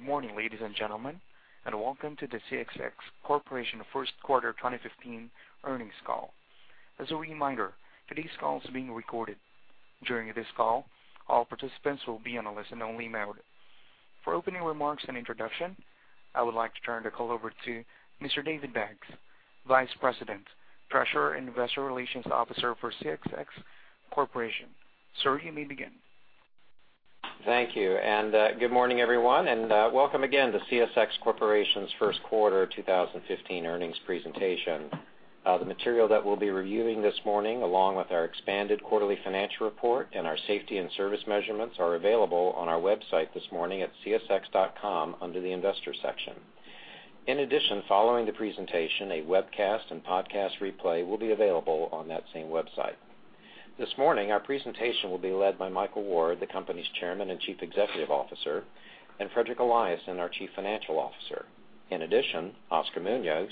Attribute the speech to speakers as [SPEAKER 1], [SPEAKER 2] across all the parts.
[SPEAKER 1] Good morning, ladies and gentlemen, and welcome to the CSX Corporation First Quarter 2015 Earnings Call. As a reminder, today's call is being recorded. During this call, all participants will be on a listen-only mode. For opening remarks and introduction, I would like to turn the call over to Mr. David Baggs, Vice President, Treasurer and Investor Relations Officer for CSX Corporation. Sir, you may begin.
[SPEAKER 2] Thank you. Good morning, everyone, and welcome again to CSX Corporation's first quarter 2015 earnings presentation. The material that we'll be reviewing this morning, along with our expanded quarterly financial report and our safety and service measurements, are available on our website this morning at csx.com under the Investor section. In addition, following the presentation, a webcast and podcast replay will be available on that same website. This morning, our presentation will be led by Michael Ward, the company's Chairman and Chief Executive Officer, and Fredrik Eliasson, our Chief Financial Officer. In addition, Oscar Munoz,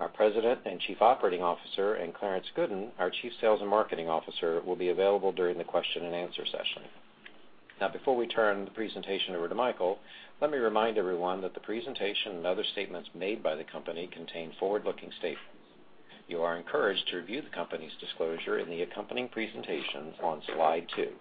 [SPEAKER 2] our President and Chief Operating Officer, and Clarence Gooden, our Chief Sales and Marketing Officer, will be available during the question-and-answer session. Now, before we turn the presentation over to Michael, let me remind everyone that the presentation and other statements made by the company contain forward-looking statements. You are encouraged to review the company's disclosure in the accompanying presentations on slide two.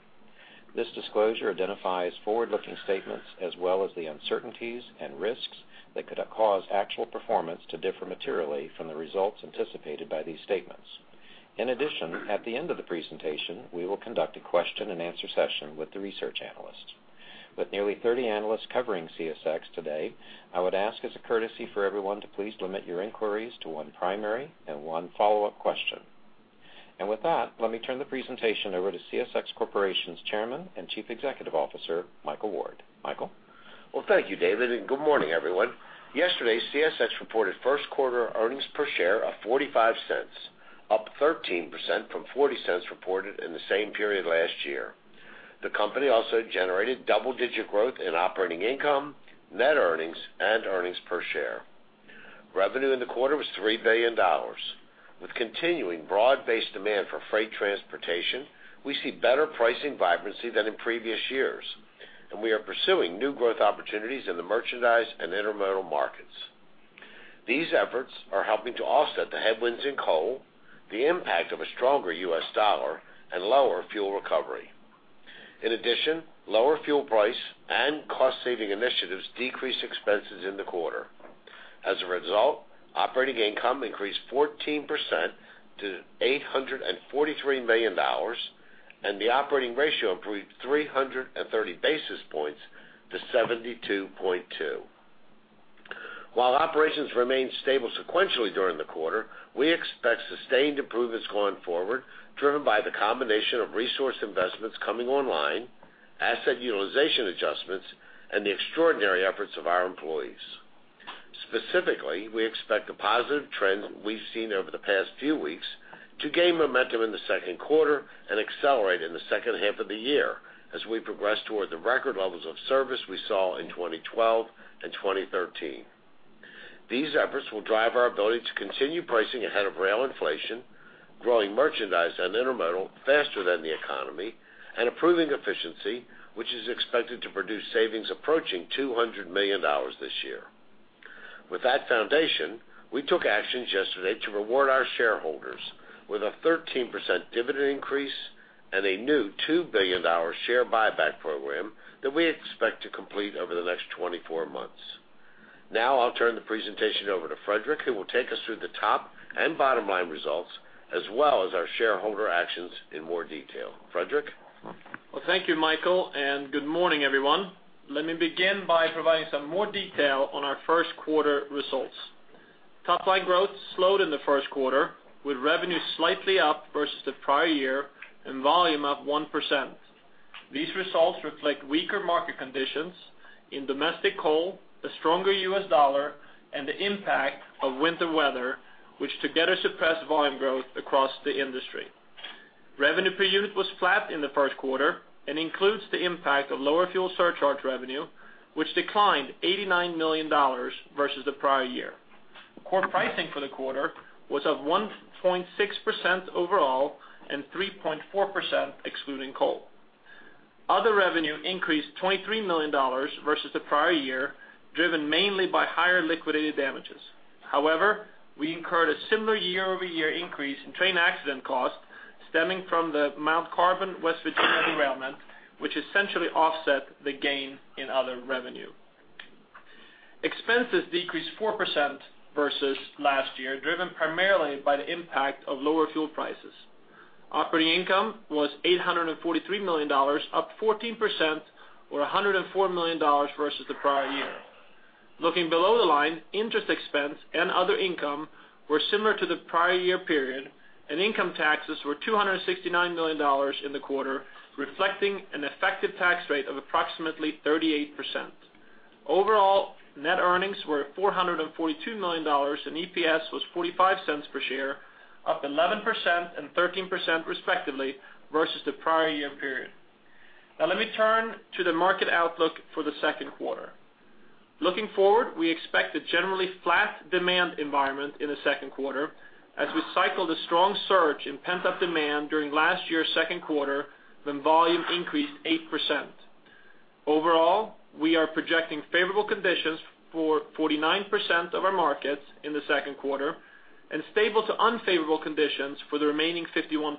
[SPEAKER 2] This disclosure identifies forward-looking statements as well as the uncertainties and risks that could cause actual performance to differ materially from the results anticipated by these statements. In addition, at the end of the presentation, we will conduct a question-and-answer session with the research analysts. With nearly 30 analysts covering CSX today, I would ask, as a courtesy for everyone, to please limit your inquiries to one primary and one follow-up question. With that, let me turn the presentation over to CSX Corporation's Chairman and Chief Executive Officer, Michael Ward. Michael?
[SPEAKER 3] Well, thank you, David, and good morning, everyone. Yesterday, CSX reported first quarter earnings per share of $0.45, up 13% from $0.40 reported in the same period last year. The company also generated double-digit growth in operating income, net earnings, and earnings per share. Revenue in the quarter was $3 billion. With continuing broad-based demand for freight transportation, we see better pricing vibrancy than in previous years, and we are pursuing new growth opportunities in the merchandise and intermodal markets. These efforts are helping to offset the headwinds in coal, the impact of a stronger U.S. dollar, and lower fuel recovery. In addition, lower fuel price and cost-saving initiatives decreased expenses in the quarter. As a result, operating income increased 14% to $843 million, and the operating ratio improved 330 basis points to 72.2%. While operations remain stable sequentially during the quarter, we expect sustained improvements going forward, driven by the combination of resource investments coming online, asset utilization adjustments, and the extraordinary efforts of our employees. Specifically, we expect the positive trends we've seen over the past few weeks to gain momentum in the second quarter and accelerate in the second half of the year as we progress toward the record levels of service we saw in 2012 and 2013. These efforts will drive our ability to continue pricing ahead of rail inflation, growing merchandise and intermodal faster than the economy, and improving efficiency, which is expected to produce savings approaching $200 million this year. With that foundation, we took actions yesterday to reward our shareholders with a 13% dividend increase and a new $2 billion share buyback program that we expect to complete over the next 24 months. Now, I'll turn the presentation over to Fredrik, who will take us through the top- and bottom-line results as well as our shareholder actions in more detail. Fredrik?
[SPEAKER 4] Well, thank you, Michael, and good morning, everyone. Let me begin by providing some more detail on our first quarter results. Top-line growth slowed in the first quarter, with revenue slightly up versus the prior year and volume up 1%. These results reflect weaker market conditions in domestic coal, a stronger U.S. dollar, and the impact of winter weather, which together suppressed volume growth across the industry. Revenue per unit was flat in the first quarter and includes the impact of lower fuel surcharge revenue, which declined $89 million versus the prior year. Core pricing for the quarter was of 1.6% overall and 3.4% excluding coal. Other revenue increased $23 million versus the prior year, driven mainly by higher liquidated damages. However, we incurred a similar year-over-year increase in train accident costs stemming from the Mount Carbon, West Virginia derailment, which essentially offset the gain in other revenue. Expenses decreased 4% versus last year, driven primarily by the impact of lower fuel prices. Operating income was $843 million, up 14% or $104 million versus the prior year. Looking below the line, interest expense and other income were similar to the prior year period, and income taxes were $269 million in the quarter, reflecting an effective tax rate of approximately 38%. Overall net earnings were $442 million, and EPS was $0.45 per share, up 11% and 13% respectively versus the prior year period. Now, let me turn to the market outlook for the second quarter. Looking forward, we expect a generally flat demand environment in the second quarter as we cycle the strong surge in pent-up demand during last year's second quarter when volume increased 8%. Overall, we are projecting favorable conditions for 49% of our markets in the second quarter and stable to unfavorable conditions for the remaining 51%.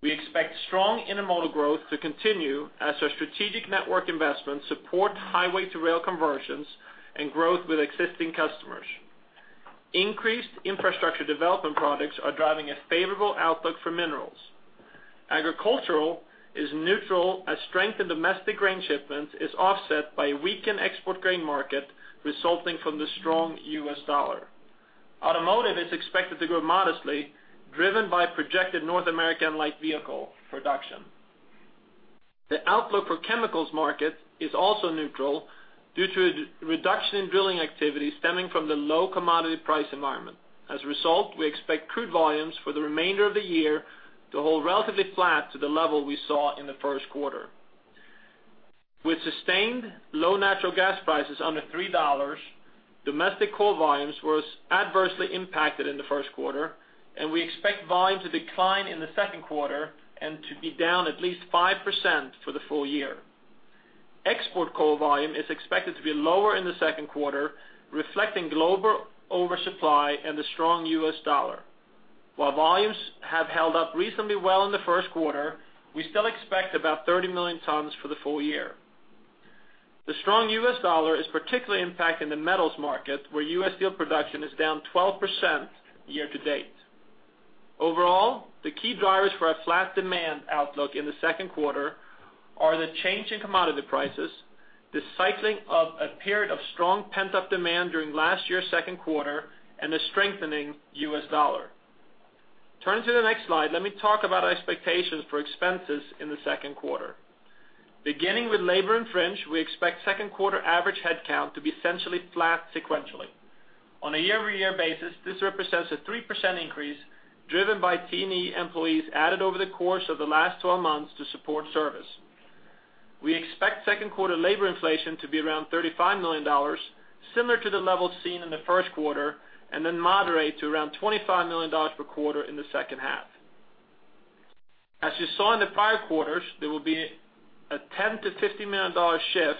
[SPEAKER 4] We expect strong intermodal growth to continue as our strategic network investments support highway-to-rail conversions and growth with existing customers. Increased infrastructure development products are driving a favorable outlook for minerals. Agricultural is neutral as strength in domestic grain shipments is offset by a weakened export grain market resulting from the strong U.S. dollar. Automotive is expected to grow modestly, driven by projected North American light vehicle production. The outlook for chemicals markets is also neutral due to a reduction in drilling activity stemming from the low commodity price environment. As a result, we expect crude volumes for the remainder of the year to hold relatively flat to the level we saw in the first quarter. With sustained low natural gas prices under $3, domestic coal volumes were adversely impacted in the first quarter, and we expect volume to decline in the second quarter and to be down at least 5% for the full year. Export coal volume is expected to be lower in the second quarter, reflecting global oversupply and the strong U.S. dollar. While volumes have held up reasonably well in the first quarter, we still expect about 30 million tons for the full year. The strong U.S. dollar is particularly impacting the metals market, where U.S. steel production is down 12% year to date. Overall, the key drivers for a flat demand outlook in the second quarter are the change in commodity prices, the cycling of a period of strong pent-up demand during last year's second quarter, and the strengthening U.S. dollar. Turning to the next slide, let me talk about our expectations for expenses in the second quarter. Beginning with labor expense, we expect second quarter average headcount to be essentially flat sequentially. On a year-over-year basis, this represents a 3% increase driven by T&E employees added over the course of the last 12 months to support service. We expect second quarter labor inflation to be around $35 million, similar to the levels seen in the first quarter, and then moderate to around $25 million per quarter in the second half. As you saw in the prior quarters, there will be a $10-$50 million shift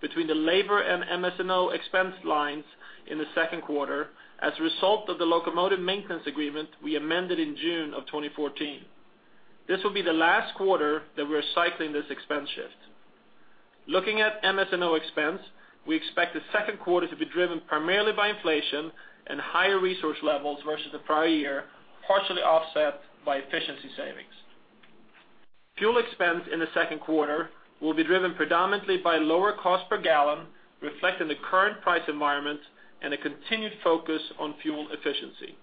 [SPEAKER 4] between the labor and MS&O expense lines in the second quarter as a result of the locomotive maintenance agreement we amended in June of 2014. This will be the last quarter that we are cycling this expense shift. Looking at MS&O expense, we expect the second quarter to be driven primarily by inflation and higher resource levels versus the prior year, partially offset by efficiency savings. Fuel expense in the second quarter will be driven predominantly by lower cost per gallon, reflecting the current price environment and a continued focus on fuel efficiency.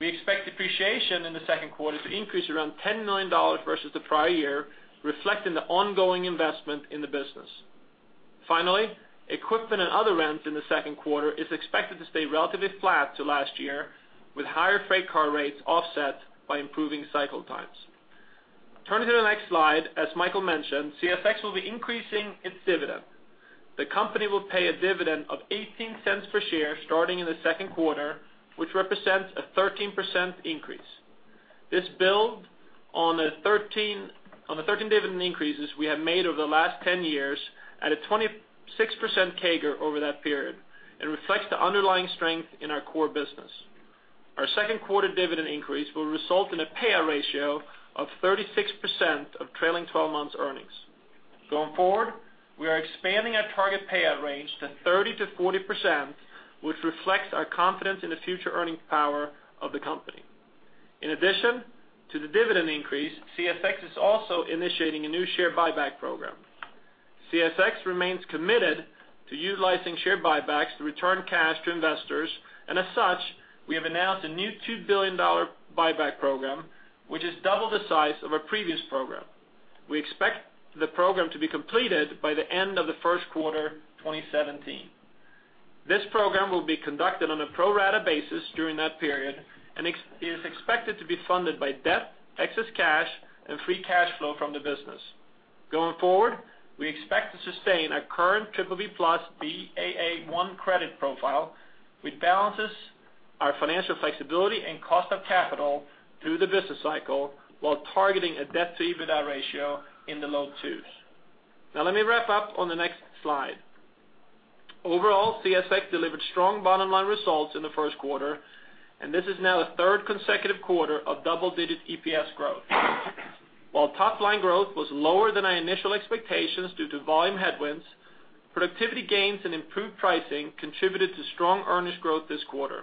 [SPEAKER 4] We expect depreciation in the second quarter to increase around $10 million versus the prior year, reflecting the ongoing investment in the business. Finally, equipment and other rents in the second quarter is expected to stay relatively flat to last year, with higher freight car rates offset by improving cycle times. Turning to the next slide, as Michael mentioned, CSX will be increasing its dividend. The company will pay a dividend of $0.18 per share starting in the second quarter, which represents a 13% increase. This builds on the 13 dividend increases we have made over the last 10 years at a 26% CAGR over that period and reflects the underlying strength in our core business. Our second quarter dividend increase will result in a payout ratio of 36% of trailing 12 months' earnings. Going forward, we are expanding our target payout range to 30%-40%, which reflects our confidence in the future earning power of the company. In addition to the dividend increase, CSX is also initiating a new share buyback program. CSX remains committed to utilizing share buybacks to return cash to investors, and as such, we have announced a new $2 billion buyback program, which is double the size of our previous program. We expect the program to be completed by the end of the first quarter 2017. This program will be conducted on a pro-rata basis during that period and is expected to be funded by debt, excess cash, and free cash flow from the business. Going forward, we expect to sustain our current BBB+ Baa1 credit profile, which balances our financial flexibility and cost of capital through the business cycle while targeting a debt-to-EBITDA ratio in the low twos. Now, let me wrap up on the next slide. Overall, CSX delivered strong bottom-line results in the first quarter, and this is now the third consecutive quarter of double-digit EPS growth. While top-line growth was lower than our initial expectations due to volume headwinds, productivity gains and improved pricing contributed to strong earnings growth this quarter.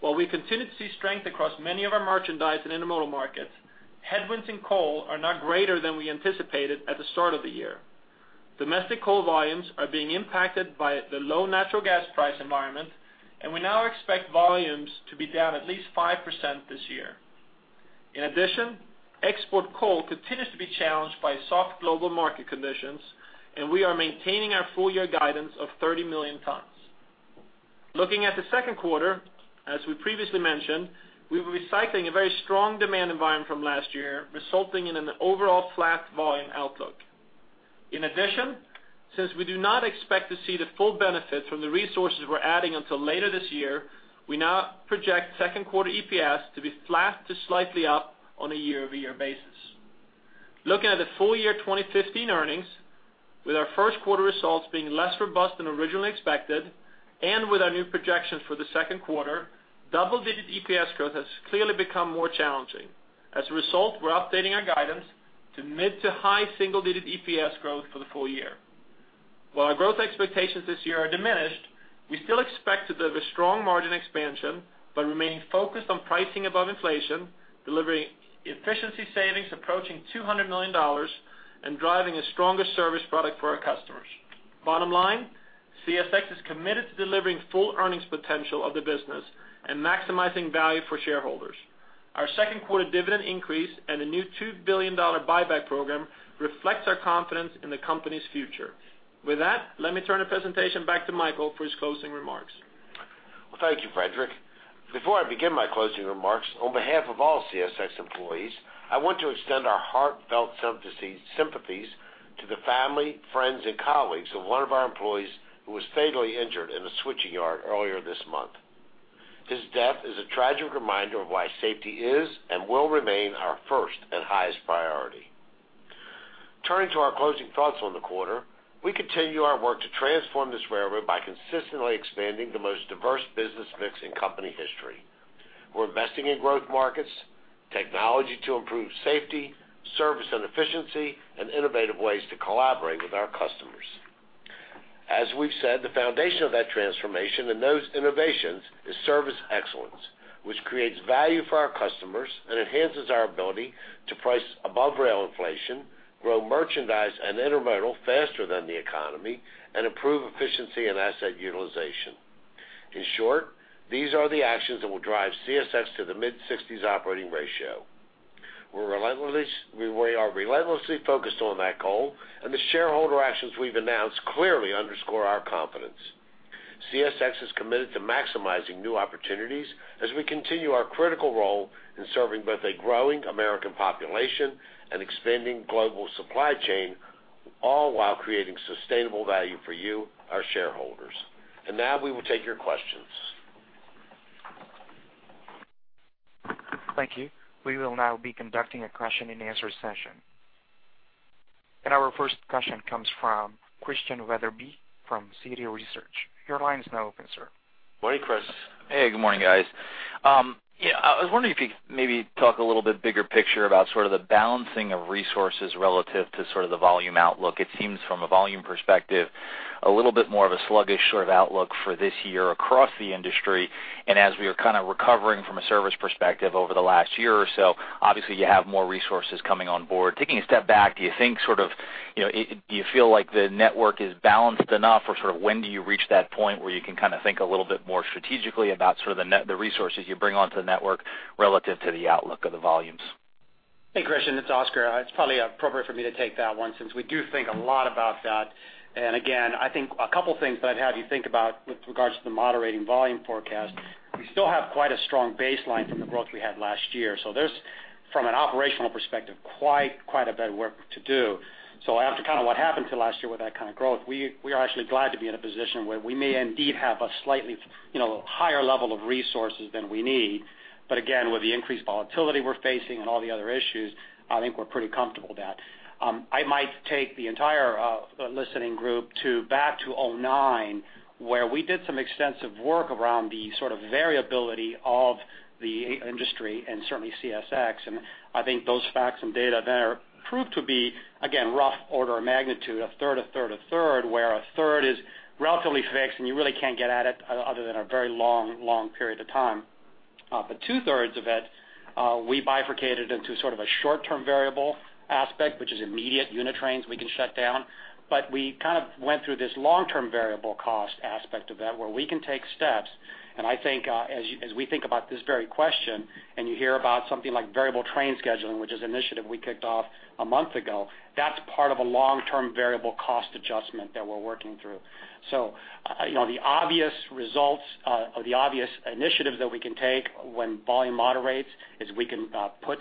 [SPEAKER 4] While we continue to see strength across many of our merchandise and intermodal markets, headwinds in coal are not greater than we anticipated at the start of the year. Domestic coal volumes are being impacted by the low natural gas price environment, and we now expect volumes to be down at least 5% this year. In addition, export coal continues to be challenged by soft global market conditions, and we are maintaining our full-year guidance of 30 million tons. Looking at the second quarter, as we previously mentioned, we were recycling a very strong demand environment from last year, resulting in an overall flat volume outlook. In addition, since we do not expect to see the full benefit from the resources we're adding until later this year, we now project second quarter EPS to be flat to slightly up on a year-over-year basis. Looking at the full-year 2015 earnings, with our first quarter results being less robust than originally expected and with our new projections for the second quarter, double-digit EPS growth has clearly become more challenging. As a result, we're updating our guidance to mid- to high single-digit EPS growth for the full year. While our growth expectations this year are diminished, we still expect to deliver strong margin expansion by remaining focused on pricing above inflation, delivering efficiency savings approaching $200 million, and driving a stronger service product for our customers. Bottom line, CSX is committed to delivering full earnings potential of the business and maximizing value for shareholders. Our second quarter dividend increase and the new $2 billion buyback program reflect our confidence in the company's future. With that, let me turn the presentation back to Michael for his closing remarks.
[SPEAKER 3] Well, thank you, Fredrik. Before I begin my closing remarks, on behalf of all CSX employees, I want to extend our heartfelt sympathies to the family, friends, and colleagues of one of our employees who was fatally injured in a switching yard earlier this month. His death is a tragic reminder of why safety is and will remain our first and highest priority. Turning to our closing thoughts on the quarter, we continue our work to transform this railroad by consistently expanding the most diverse business mix in company history. We're investing in growth markets, technology to improve safety, service and efficiency, and innovative ways to collaborate with our customers. As we've said, the foundation of that transformation and those innovations is service excellence, which creates value for our customers and enhances our ability to price above rail inflation, grow merchandise and intermodal faster than the economy, and improve efficiency and asset utilization. In short, these are the actions that will drive CSX to the mid-60s operating ratio. We are relentlessly focused on that goal, and the shareholder actions we've announced clearly underscore our confidence. CSX is committed to maximizing new opportunities as we continue our critical role in serving both a growing American population and expanding global supply chain, all while creating sustainable value for you, our shareholders. And now, we will take your questions.
[SPEAKER 1] Thank you. We will now be conducting a question-and-answer session. Our first question comes from Christian Wetherbee from Citi Research. Your line is now open, sir.
[SPEAKER 3] Morning, Chris.
[SPEAKER 5] Hey. Good morning, guys. I was wondering if you could maybe talk a little bit bigger picture about sort of the balancing of resources relative to sort of the volume outlook. It seems, from a volume perspective, a little bit more of a sluggish sort of outlook for this year across the industry. And as we are kind of recovering from a service perspective over the last year or so, obviously, you have more resources coming on board. Taking a step back, do you think sort of do you feel like the network is balanced enough, or sort of when do you reach that point where you can kind of think a little bit more strategically about sort of the resources you bring onto the network relative to the outlook of the volumes?
[SPEAKER 6] Hey, Christian. It's Oscar. It's probably appropriate for me to take that one since we do think a lot about that. And again, I think a couple of things that I'd have you think about with regards to the moderating volume forecast. We still have quite a strong baseline from the growth we had last year. So there's, from an operational perspective, quite a bit of work to do. So after kind of what happened to last year with that kind of growth, we are actually glad to be in a position where we may indeed have a slightly higher level of resources than we need. But again, with the increased volatility we're facing and all the other issues, I think we're pretty comfortable with that. I might take the entire listening group back to 2009, where we did some extensive work around the sort of variability of the industry and certainly CSX. I think those facts and data there proved to be, again, rough order of magnitude, a third, a third, a third, where a third is relatively fixed, and you really can't get at it other than a very long, long period of time. Two third of it, we bifurcated into sort of a short-term variable aspect, which is immediate unit trains we can shut down. We kind of went through this long-term variable cost aspect of that, where we can take steps. And I think as we think about this very question and you hear about something like variable train scheduling, which is an initiative we kicked off a month ago, that's part of a long-term variable cost adjustment that we're working through. So the obvious results or the obvious initiatives that we can take when volume moderates is we can put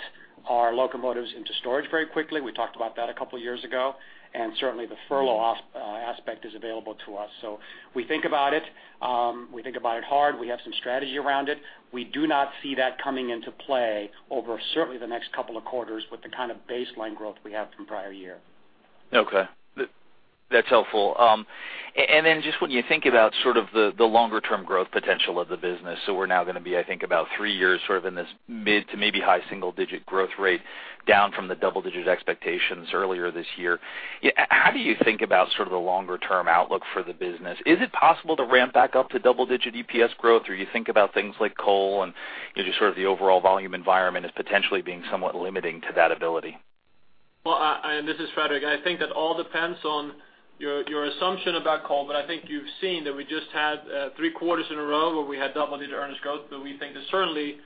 [SPEAKER 6] our locomotives into storage very quickly. We talked about that a couple of years ago. And certainly, the furlough aspect is available to us. So we think about it. We think about it hard. We have some strategy around it. We do not see that coming into play over certainly the next couple of quarters with the kind of baseline growth we have from prior year.
[SPEAKER 5] Okay. That's helpful. And then just when you think about sort of the longer-term growth potential of the business—so we're now going to be, I think, about three years sort of in this mid- to maybe high single-digit growth rate down from the double-digit expectations earlier this year—how do you think about sort of the longer-term outlook for the business? Is it possible to ramp back up to double-digit EPS growth, or do you think about things like coal and just sort of the overall volume environment as potentially being somewhat limiting to that ability?
[SPEAKER 4] Well, and this is Fredrik. I think that all depends on your assumption about coal. But I think you've seen that we just had three quarters in a row where we had double-digit earnings growth. But we think it's certainly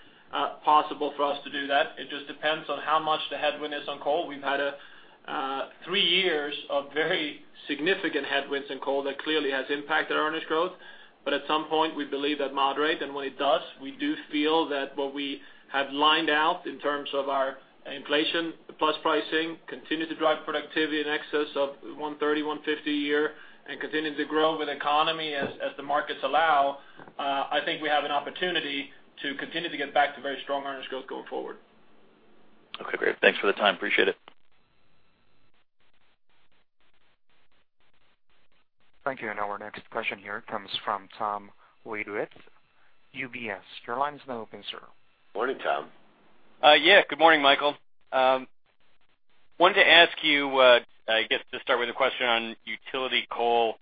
[SPEAKER 4] possible for us to do that. It just depends on how much the headwind is on coal. We've had three years of very significant headwinds in coal that clearly has impacted our earnings growth. But at some point, we believe that moderate. And when it does, we do feel that what we have lined out in terms of our inflation-plus pricing, continue to drive productivity in excess of 130, 150 a year, and continue to grow with the economy as the markets allow. I think we have an opportunity to continue to get back to very strong earnings growth going forward.
[SPEAKER 5] Okay. Great. Thanks for the time. Appreciate it.
[SPEAKER 1] Thank you. And now, our next question here comes from Tom Wadewitz, UBS. Your line is now open, sir.
[SPEAKER 3] Morning, Tom.
[SPEAKER 7] Yeah. Good morning, Michael. Wanted to ask you, I guess, to start with a question on utility coal.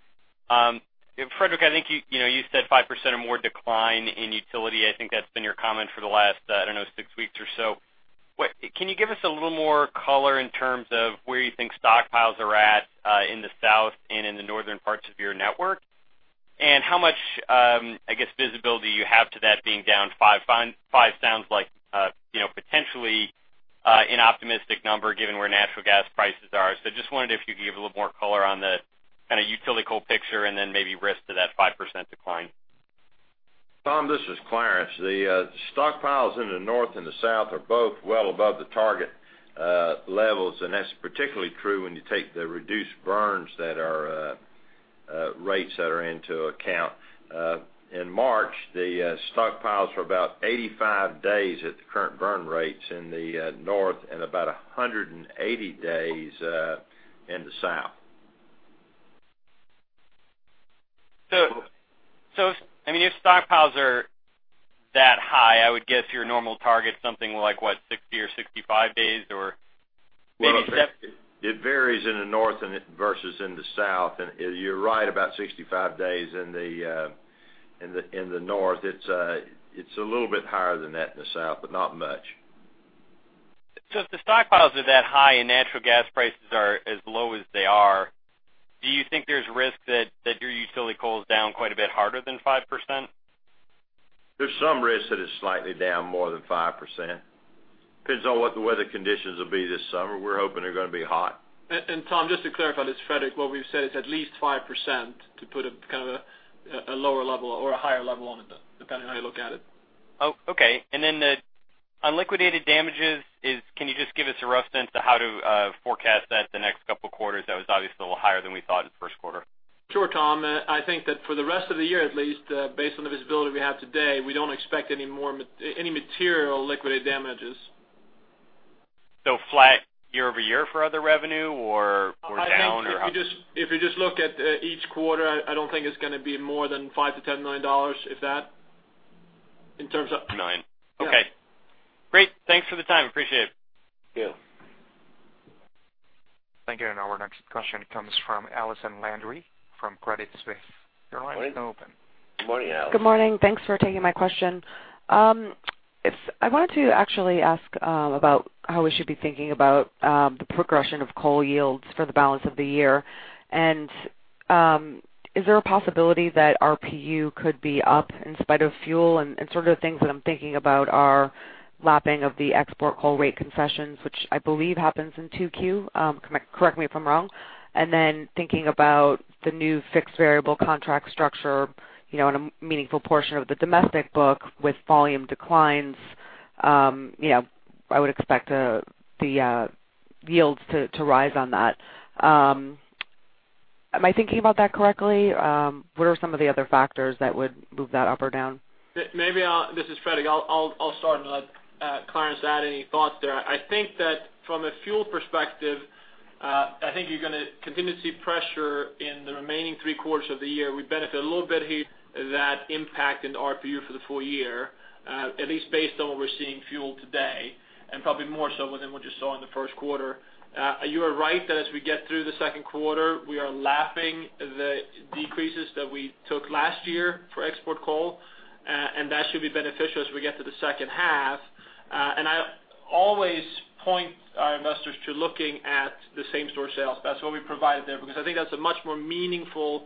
[SPEAKER 7] Fredrik, I think you said 5% or more decline in utility. I think that's been your comment for the last, I don't know, six weeks or so. Can you give us a little more color in terms of where you think stockpiles are at in the south and in the northern parts of your network? And how much, I guess, visibility do you have to that being down 5%? 5% sounds like potentially an optimistic number given where natural gas prices are. So just wondered if you could give a little more color on the kind of utility coal picture and then maybe risk to that 5% decline.
[SPEAKER 8] Tom, this is Clarence. The stockpiles in the north and the south are both well above the target levels. That's particularly true when you take the reduced burn rates that are taken into account. In March, the stockpiles were about 85 days at the current burn rates in the north and about 180 days in the south.
[SPEAKER 7] So, I mean, if stockpiles are that high, I would guess your normal target's something like, what, 60 or 65 days or maybe 70?
[SPEAKER 8] Well, it varies in the north versus in the south. You're right. About 65 days in the north. It's a little bit higher than that in the south, but not much.
[SPEAKER 7] So if the stockpiles are that high and natural gas prices are as low as they are, do you think there's risk that your utility coal's down quite a bit harder than 5%?
[SPEAKER 8] There's some risk that it's slightly down more than 5%. Depends on what the weather conditions will be this summer. We're hoping they're going to be hot.
[SPEAKER 4] Tom, just to clarify, this is Fredrik. What we've said is at least 5% to put kind of a lower level or a higher level on it, depending on how you look at it.
[SPEAKER 7] Okay. And then on liquidated damages, can you just give us a rough sense of how to forecast that the next couple of quarters? That was obviously a little higher than we thought in the first quarter.
[SPEAKER 4] Sure, Tom. I think that for the rest of the year, at least, based on the visibility we have today, we don't expect any more material liquidated damages.
[SPEAKER 7] So flat year-over-year for other revenue or down or high?
[SPEAKER 4] I think if you just look at each quarter, I don't think it's going to be more than $5 million-$10 million, if that, in terms of.
[SPEAKER 7] Million. Okay. Great. Thanks for the time. Appreciate it.
[SPEAKER 4] You too.
[SPEAKER 1] Thank you. And now, our next question comes from Allison Landry from Credit Suisse. Your line is now open.
[SPEAKER 3] Good morning, Allison.
[SPEAKER 9] Good morning. Thanks for taking my question. I wanted to actually ask about how we should be thinking about the progression of coal yields for the balance of the year. And is there a possibility that RPU could be up in spite of fuel? And sort of the things that I'm thinking about are lapping of the export coal rate concessions, which I believe happens in 2Q. Correct me if I'm wrong. And then thinking about the new fixed-variable contract structure in a meaningful portion of the domestic book with volume declines, I would expect the yields to rise on that. Am I thinking about that correctly? What are some of the other factors that would move that up or down?
[SPEAKER 4] Maybe I'll—this is Fredrik. I'll start and let Clarence add any thoughts there. I think that from a fuel perspective, I think you're going to continue to see pressure in the remaining three quarters of the year. We benefit a little bit here from that impact in RPU for the full year, at least based on what we're seeing fuel today and probably more so within what you saw in the first quarter. You are right that as we get through the second quarter, we are lapping the decreases that we took last year for export coal. And that should be beneficial as we get to the second half. And I always point our investors to looking at the same-store sales. That's what we provided there because I think that's a much more meaningful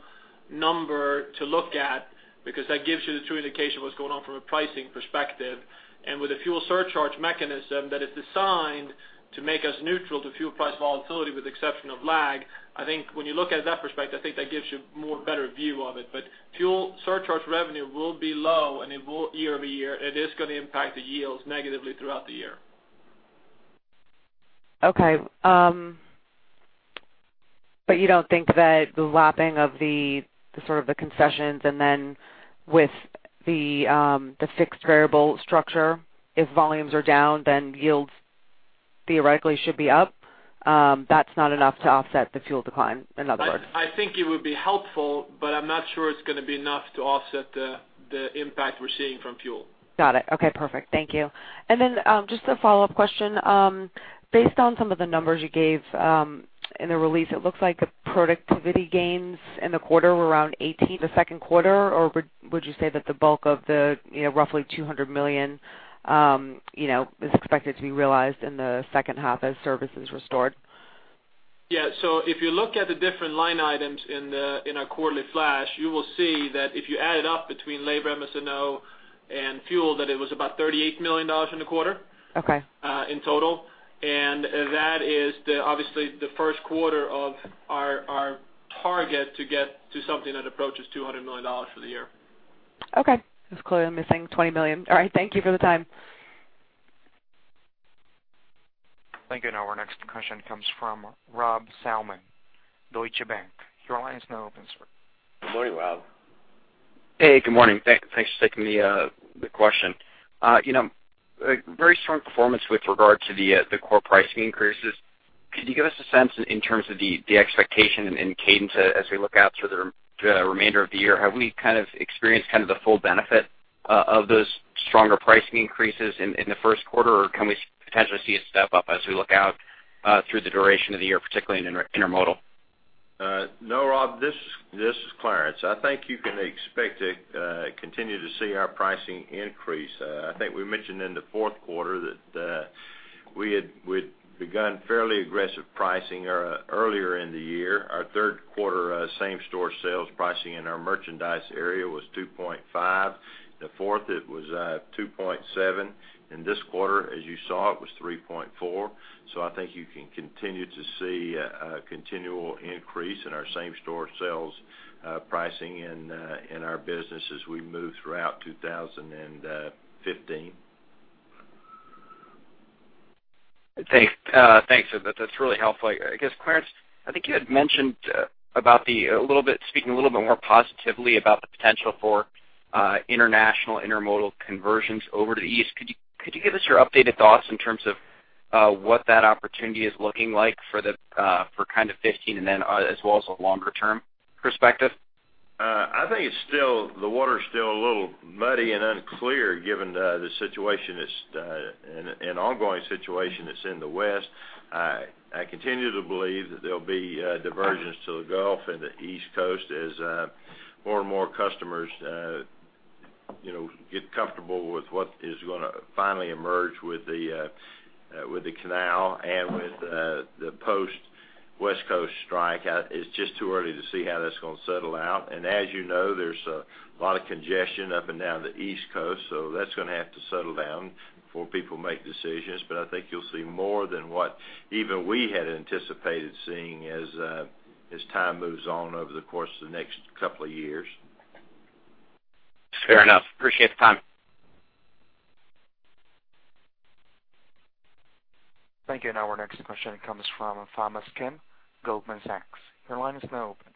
[SPEAKER 4] number to look at because that gives you the true indication of what's going on from a pricing perspective. And with a fuel surcharge mechanism that is designed to make us neutral to fuel price volatility with the exception of lag, I think when you look at it that perspective, I think that gives you a better view of it. But fuel surcharge revenue will be low year over year. It is going to impact the yields negatively throughout the year.
[SPEAKER 9] Okay. But you don't think that the lapping of sort of the concessions and then with the fixed-variable structure, if volumes are down, then yields theoretically should be up? That's not enough to offset the fuel decline, in other words?
[SPEAKER 4] I think it would be helpful, but I'm not sure it's going to be enough to offset the impact we're seeing from fuel.
[SPEAKER 9] Got it. Okay. Perfect. Thank you. And then just a follow-up question. Based on some of the numbers you gave in the release, it looks like the productivity gains in the quarter were around 18. The second quarter, or would you say that the bulk of the roughly $200 million is expected to be realized in the second half as services restored?
[SPEAKER 4] Yeah. So if you look at the different line items in our quarterly flash, you will see that if you add it up between labor, MS&O, and fuel, that it was about $38 million in the quarter in total. And that is, obviously, the first quarter of our target to get to something that approaches $200 million for the year.
[SPEAKER 9] Okay. I was clearly missing $20 million. All right. Thank you for the time.
[SPEAKER 1] Thank you. And now, our next question comes from Rob Salmon, Deutsche Bank. Your line is now open, sir.
[SPEAKER 3] Good morning, Rob.
[SPEAKER 10] Hey. Good morning. Thanks for taking the question. Very strong performance with regard to the core pricing increases. Could you give us a sense in terms of the expectation and cadence as we look out through the remainder of the year? Have we kind of experienced kind of the full benefit of those stronger pricing increases in the first quarter, or can we potentially see it step up as we look out through the duration of the year, particularly in intermodal?
[SPEAKER 8] No, Rob. This is Clarence. I think you can expect to continue to see our pricing increase. I think we mentioned in the fourth quarter that we had begun fairly aggressive pricing earlier in the year. Our third quarter, same-store sales pricing in our merchandise area was 2.5. The fourth, it was 2.7. In this quarter, as you saw, it was 3.4. I think you can continue to see a continual increase in our same-store sales pricing in our business as we move throughout 2015.
[SPEAKER 10] Thanks. That's really helpful. I guess, Clarence, I think you had mentioned a little bit more positively about the potential for international intermodal conversions over to the east. Could you give us your updated thoughts in terms of what that opportunity is looking like for kind of 2015 and then as well as a longer-term perspective?
[SPEAKER 8] I think the water's still a little muddy and unclear given the situation that's an ongoing situation that's in the West. I continue to believe that there'll be diversion to the Gulf Coast and the East Coast as more and more customers get comfortable with what is going to finally emerge with the canal and with the post-West Coast strike. It's just too early to see how that's going to settle out. As you know, there's a lot of congestion up and down the East Coast. So that's going to have to settle down before people make decisions. But I think you'll see more than what even we had anticipated seeing as time moves on over the course of the next couple of years.
[SPEAKER 10] Fair enough. Appreciate the time.
[SPEAKER 1] Thank you. Now, our next question comes from Thomas Kim, Goldman Sachs. Your line is now open.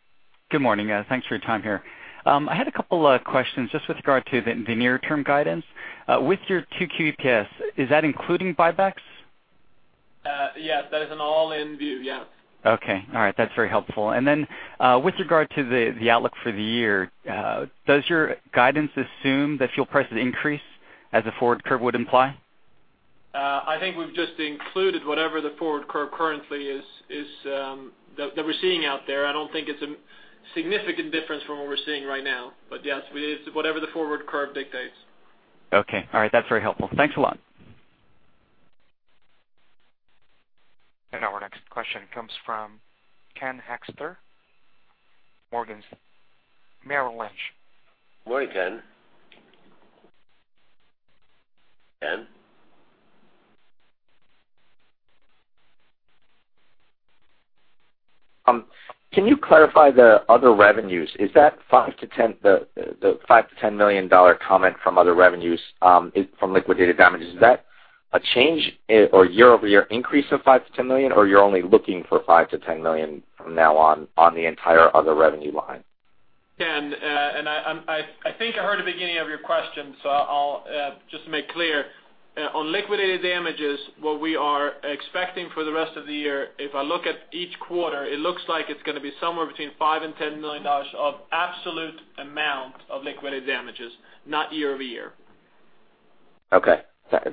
[SPEAKER 11] Good morning. Thanks for your time here. I had a couple of questions just with regard to the near-term guidance. With your 2Q EPS, is that including buybacks?
[SPEAKER 4] Yes. That is an all-in view, yes.
[SPEAKER 11] Okay. All right. That's very helpful. And then with regard to the outlook for the year, does your guidance assume that fuel prices increase as the forward curve would imply?
[SPEAKER 4] I think we've just included whatever the forward curve currently is that we're seeing out there. I don't think it's a significant difference from what we're seeing right now. But yes, it's whatever the forward curve dictates.
[SPEAKER 11] Okay. All right. That's very helpful. Thanks a lot.
[SPEAKER 1] Now, our next question comes from Ken Hoexter, Merrill Lynch.
[SPEAKER 3] Morning, Ken. Ken.
[SPEAKER 12] Can you clarify the other revenues? Is that five-10 the $5 million-$10 million-dollar comment from other revenues from liquidated damages, is that a change or year-over-year increase of $5 million-$10 million, or you're only looking for $5 million-$10 million from now on the entire other revenue line?
[SPEAKER 4] Ken, I think I heard the beginning of your question. So just to make clear, on Liquidated Damages, what we are expecting for the rest of the year, if I look at each quarter, it looks like it's going to be somewhere between $5 million and $10 million of absolute amount of Liquidated Damages, not year-over-year.
[SPEAKER 12] Okay.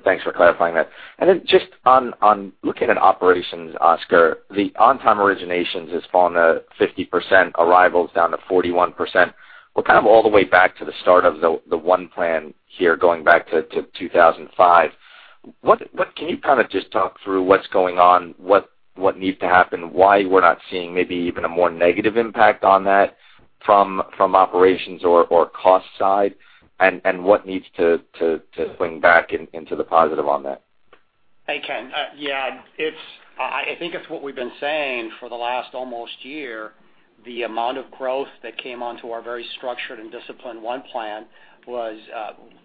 [SPEAKER 12] Thanks for clarifying that. And then just on looking at operations, Oscar, the on-time originations has fallen to 50%, arrivals down to 41%. We're kind of all the way back to the start of the One Plan here, going back to 2005. Can you kind of just talk through what's going on, what needs to happen, why we're not seeing maybe even a more negative impact on that from operations or cost side, and what needs to swing back into the positive on that?
[SPEAKER 6] Hey, Ken. Yeah. I think it's what we've been saying for the last almost year. The amount of growth that came onto our very structured and disciplined one plan was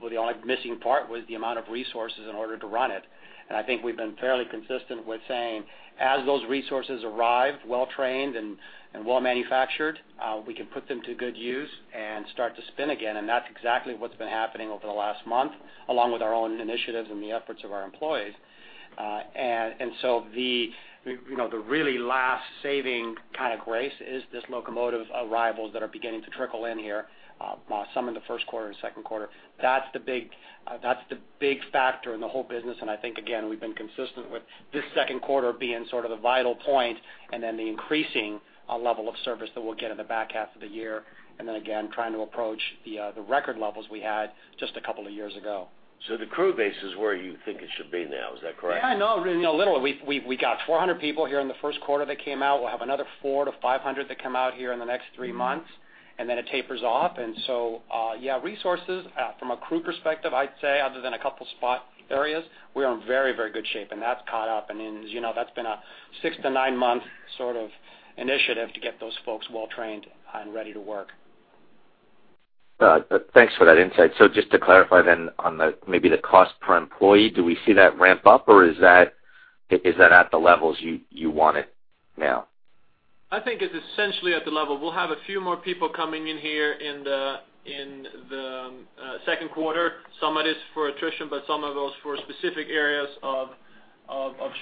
[SPEAKER 6] the only missing part was the amount of resources in order to run it. And I think we've been fairly consistent with saying, "As those resources arrive, well-trained and well-manufactured, we can put them to good use and start to spin again." And that's exactly what's been happening over the last month along with our own initiatives and the efforts of our employees. And so the really last saving kind of grace is this locomotive of arrivals that are beginning to trickle in here, some in the first quarter and second quarter. That's the big factor in the whole business. I think, again, we've been consistent with this second quarter being sort of the vital point and then the increasing level of service that we'll get in the back half of the year and then, again, trying to approach the record levels we had just a couple of years ago.
[SPEAKER 12] The crew base is where you think it should be now. Is that correct?
[SPEAKER 6] Yeah. No. Literally, we got 400 people here in the first quarter that came out. We'll have another 400-500 that come out here in the next three months, and then it tapers off. And so yeah, resources from a crew perspective, I'd say, other than a couple of spot areas, we are in very, very good shape. And that's caught up. And as you know, that's been a six-nine-month sort of initiative to get those folks well-trained and ready to work.
[SPEAKER 12] Thanks for that insight. Just to clarify then on maybe the cost per employee, do we see that ramp up, or is that at the levels you want it now?
[SPEAKER 6] I think it's essentially at the level. We'll have a few more people coming in here in the second quarter. Some of it is for attrition, but some of it was for specific areas of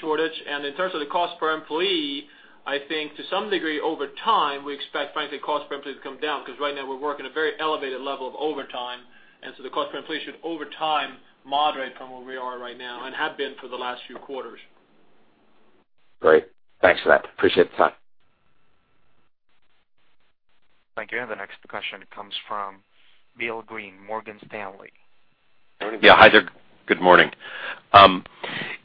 [SPEAKER 6] shortage. And in terms of the cost per employee, I think to some degree, over time, we expect, frankly, cost per employee to come down because right now, we're working at a very elevated level of overtime. And so the cost per employee should, over time, moderate from where we are right now and have been for the last few quarters.
[SPEAKER 12] Great. Thanks for that. Appreciate the time.
[SPEAKER 1] Thank you. The next question comes from Bill Greene, Morgan Stanley.
[SPEAKER 13] Yeah. Hi, there. Good morning.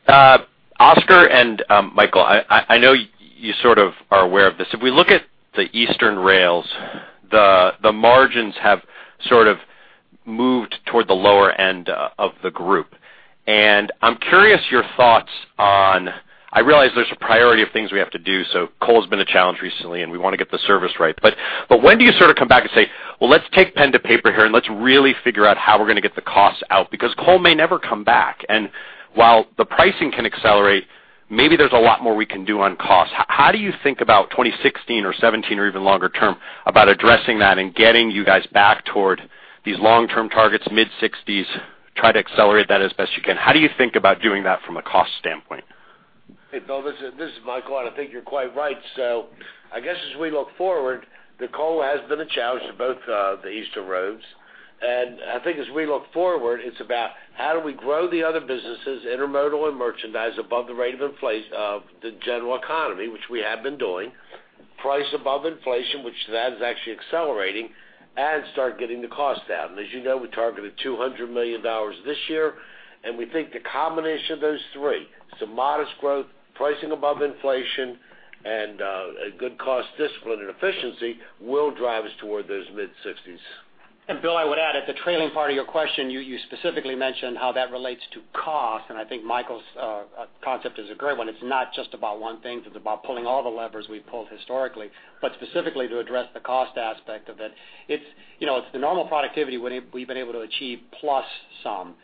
[SPEAKER 13] Oscar and Michael, I know you sort of are aware of this. If we look at the Eastern Rails, the margins have sort of moved toward the lower end of the group. And I'm curious your thoughts on. I realize there's a priority of things we have to do. So coal has been a challenge recently, and we want to get the service right. But when do you sort of come back and say, "Well, let's take pen to paper here, and let's really figure out how we're going to get the costs out?" Because coal may never come back. And while the pricing can accelerate, maybe there's a lot more we can do on costs. How do you think about 2016 or 2017 or even longer term about addressing that and getting you guys back toward these long-term targets, mid-60s, try to accelerate that as best you can? How do you think about doing that from a cost standpoint?
[SPEAKER 3] Hey, Bill. This is Michael, and I think you're quite right. So I guess as we look forward, the coal has been a challenge to both the eastern roads. And I think as we look forward, it's about how do we grow the other businesses, intermodal and merchandise, above the rate of the general economy, which we have been doing, price above inflation, which that is actually accelerating, and start getting the costs down. And as you know, we targeted $200 million this year. And we think the combination of those three, some modest growth, pricing above inflation, and good cost discipline and efficiency, will drive us toward those mid-60s.
[SPEAKER 6] Bill, I would add, at the trailing part of your question, you specifically mentioned how that relates to cost. I think Michael's concept is a great one. It's not just about one thing. It's about pulling all the levers we've pulled historically, but specifically to address the cost aspect of it. It's the normal productivity we've been able to achieve plus some.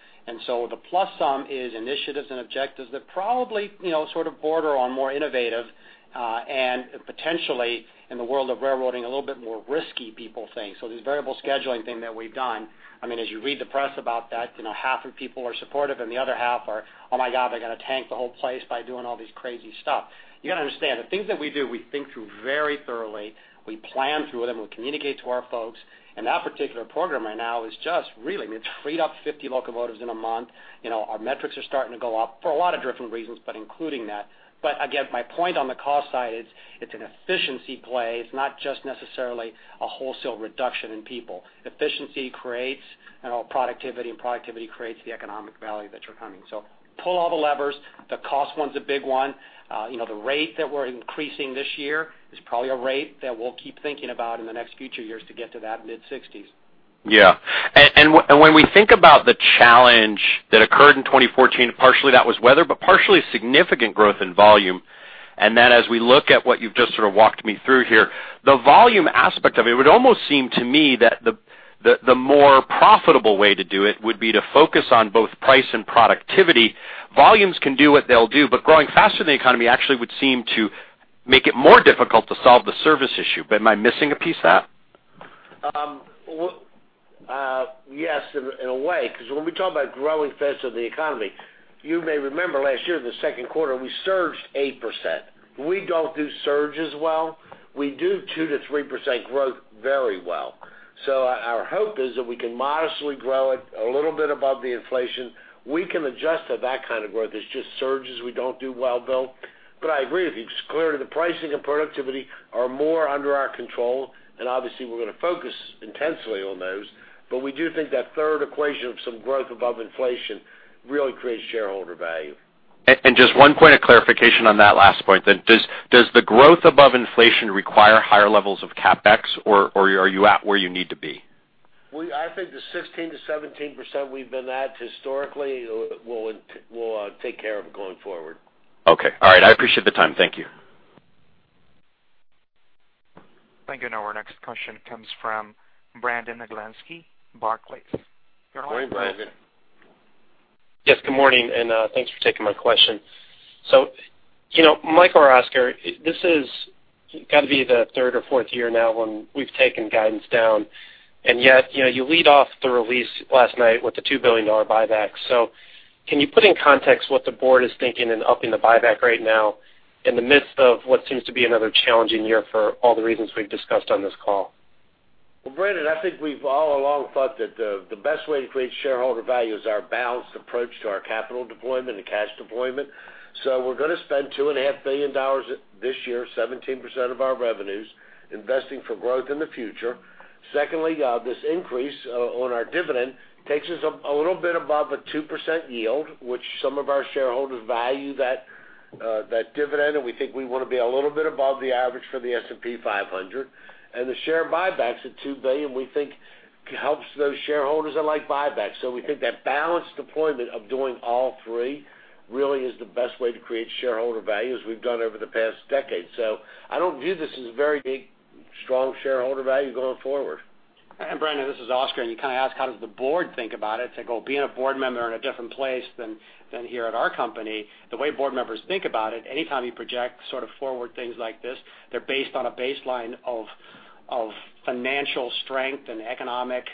[SPEAKER 6] So the plus some is initiatives and objectives that probably sort of border on more innovative and potentially, in the world of railroading, a little bit more risky, people think. So this variable scheduling thing that we've done, I mean, as you read the press about that, half of people are supportive, and the other half are, "Oh my God, they're going to tank the whole place by doing all this crazy stuff." You got to understand, the things that we do, we think through very thoroughly. We plan through them. We communicate to our folks. And that particular program right now is just really I mean, it's freed up 50 locomotives in a month. Our metrics are starting to go up for a lot of different reasons, but including that. But again, my point on the cost side, it's an efficiency play. It's not just necessarily a wholesale reduction in people. Efficiency creates productivity, and productivity creates the economic value that you're coming. So pull all the levers. The cost one's a big one. The rate that we're increasing this year is probably a rate that we'll keep thinking about in the next future years to get to that mid-60s.
[SPEAKER 13] Yeah. And when we think about the challenge that occurred in 2014, partially that was weather, but partially significant growth in volume. And then as we look at what you've just sort of walked me through here, the volume aspect of it, it would almost seem to me that the more profitable way to do it would be to focus on both price and productivity. Volumes can do what they'll do, but growing faster than the economy actually would seem to make it more difficult to solve the service issue. Am I missing a piece of that?
[SPEAKER 3] Yes, in a way. Because when we talk about growing faster than the economy, you may remember last year, the second quarter, we surged 8%. We don't do surge as well. We do 2%-3% growth very well. So our hope is that we can modestly grow it a little bit above the inflation. We can adjust to that kind of growth. It's just surges we don't do well, Bill. But I agree. Clearly, the pricing and productivity are more under our control. And obviously, we're going to focus intensely on those. But we do think that third equation of some growth above inflation really creates shareholder value.
[SPEAKER 13] Just one point of clarification on that last point then. Does the growth above inflation require higher levels of CapEx, or are you at where you need to be?
[SPEAKER 3] I think the 16%-17% we've been at historically will take care of going forward.
[SPEAKER 13] Okay. All right. I appreciate the time. Thank you.
[SPEAKER 1] Thank you. And now, our next question comes from Brandon Oglenski, Barclays. Your line is now open.
[SPEAKER 3] Good morning, Brandon.
[SPEAKER 14] Yes. Good morning. And thanks for taking my question. So Michael or Oscar, this has got to be the third or fourth year now when we've taken guidance down. And yet, you lead off the release last night with the $2 billion buyback. So can you put in context what the board is thinking and upping the buyback right now in the midst of what seems to be another challenging year for all the reasons we've discussed on this call?
[SPEAKER 3] Well, Brandon, I think we've all along thought that the best way to create shareholder value is our balanced approach to our capital deployment and cash deployment. So we're going to spend $2.5 billion this year, 17% of our revenues, investing for growth in the future. Secondly, this increase on our dividend takes us a little bit above a 2% yield, which some of our shareholders value that dividend. We think we want to be a little bit above the average for the S&P 500. The share buybacks at $2 billion, we think, helps those shareholders that like buybacks. So we think that balanced deployment of doing all three really is the best way to create shareholder value as we've done over the past decade. So I don't view this as very big, strong shareholder value going forward.
[SPEAKER 6] And Brandon, this is Oscar. And you kind of asked, "How does the board think about it?" It's like, "Well, being a board member in a different place than here at our company, the way board members think about it, anytime you project sort of forward things like this, they're based on a baseline of financial strength and economic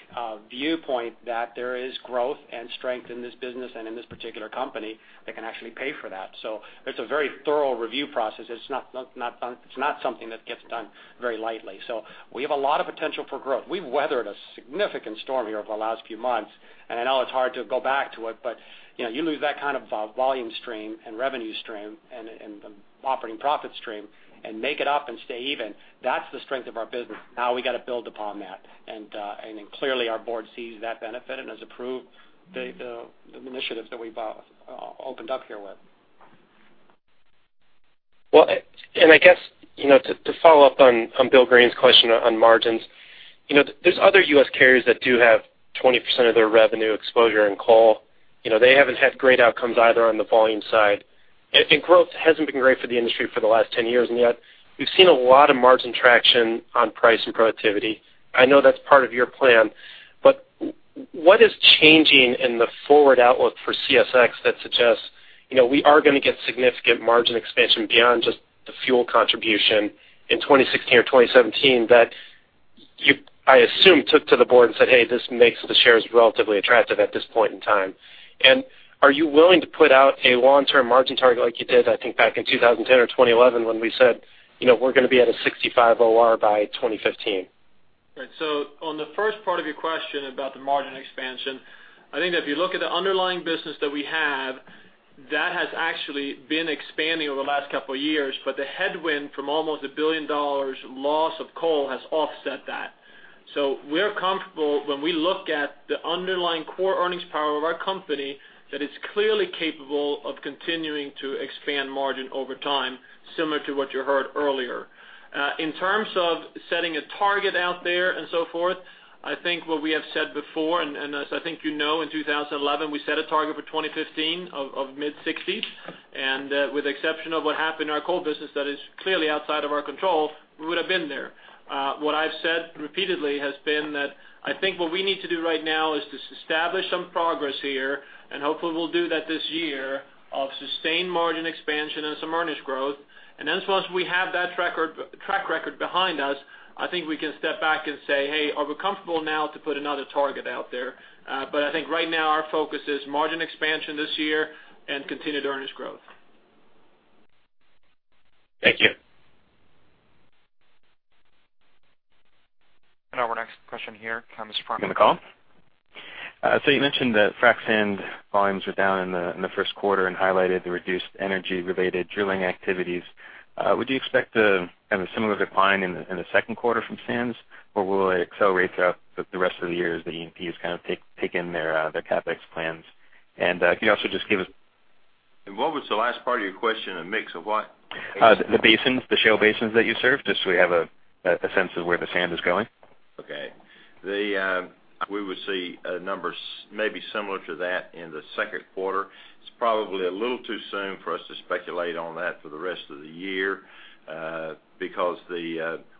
[SPEAKER 6] viewpoint that there is growth and strength in this business and in this particular company that can actually pay for that." So it's a very thorough review process. It's not something that gets done very lightly. So we have a lot of potential for growth. We've weathered a significant storm here over the last few months. And I know it's hard to go back to it. But you lose that kind of volume stream and revenue stream and the operating profit stream and make it up and stay even, that's the strength of our business. Now, we got to build upon that. And then clearly, our board sees that benefit and has approved the initiatives that we've opened up here with.
[SPEAKER 14] Well, and I guess to follow up on Bill Greene's question on margins, there's other U.S. carriers that do have 20% of their revenue exposure in coal. They haven't had great outcomes either on the volume side. Growth hasn't been great for the industry for the last 10 years. And yet, we've seen a lot of margin traction on price and productivity. I know that's part of your plan. But what is changing in the forward outlook for CSX that suggests we are going to get significant margin expansion beyond just the fuel contribution in 2016 or 2017 that you, I assume, took to the board and said, "Hey, this makes the shares relatively attractive at this point in time." And are you willing to put out a long-term margin target like you did, I think, back in 2010 or 2011 when we said, "We're going to be at a 65 OR by 2015"?
[SPEAKER 4] Right. So on the first part of your question about the margin expansion, I think that if you look at the underlying business that we have, that has actually been expanding over the last couple of years. But the headwind from almost $1 billion loss of coal has offset that. So we're comfortable, when we look at the underlying core earnings power of our company, that it's clearly capable of continuing to expand margin over time, similar to what you heard earlier. In terms of setting a target out there and so forth, I think what we have said before and as I think you know, in 2011, we set a target for 2015 of mid-60s. With the exception of what happened in our coal business that is clearly outside of our control, we would have been there. What I've said repeatedly has been that I think what we need to do right now is to establish some progress here. Hopefully, we'll do that this year of sustained margin expansion and some earnings growth. Then once we have that track record behind us, I think we can step back and say, "Hey, are we comfortable now to put another target out there?" I think right now, our focus is margin expansion this year and continued earnings growth.
[SPEAKER 14] Thank you.
[SPEAKER 1] Now, our next question here comes from.
[SPEAKER 3] On the call?
[SPEAKER 15] So you mentioned that frac sand volumes were down in the first quarter and highlighted the reduced energy-related drilling activities. Would you expect kind of a similar decline in the second quarter from sands, or will it accelerate throughout the rest of the years that E&P has kind of taken their CapEx plans? And can you also just give us.
[SPEAKER 8] And what was the last part of your question? A mix of what?
[SPEAKER 15] The shale basins that you serve, just so we have a sense of where the sand is going.
[SPEAKER 8] Okay. We would see a number maybe similar to that in the second quarter. It's probably a little too soon for us to speculate on that for the rest of the year because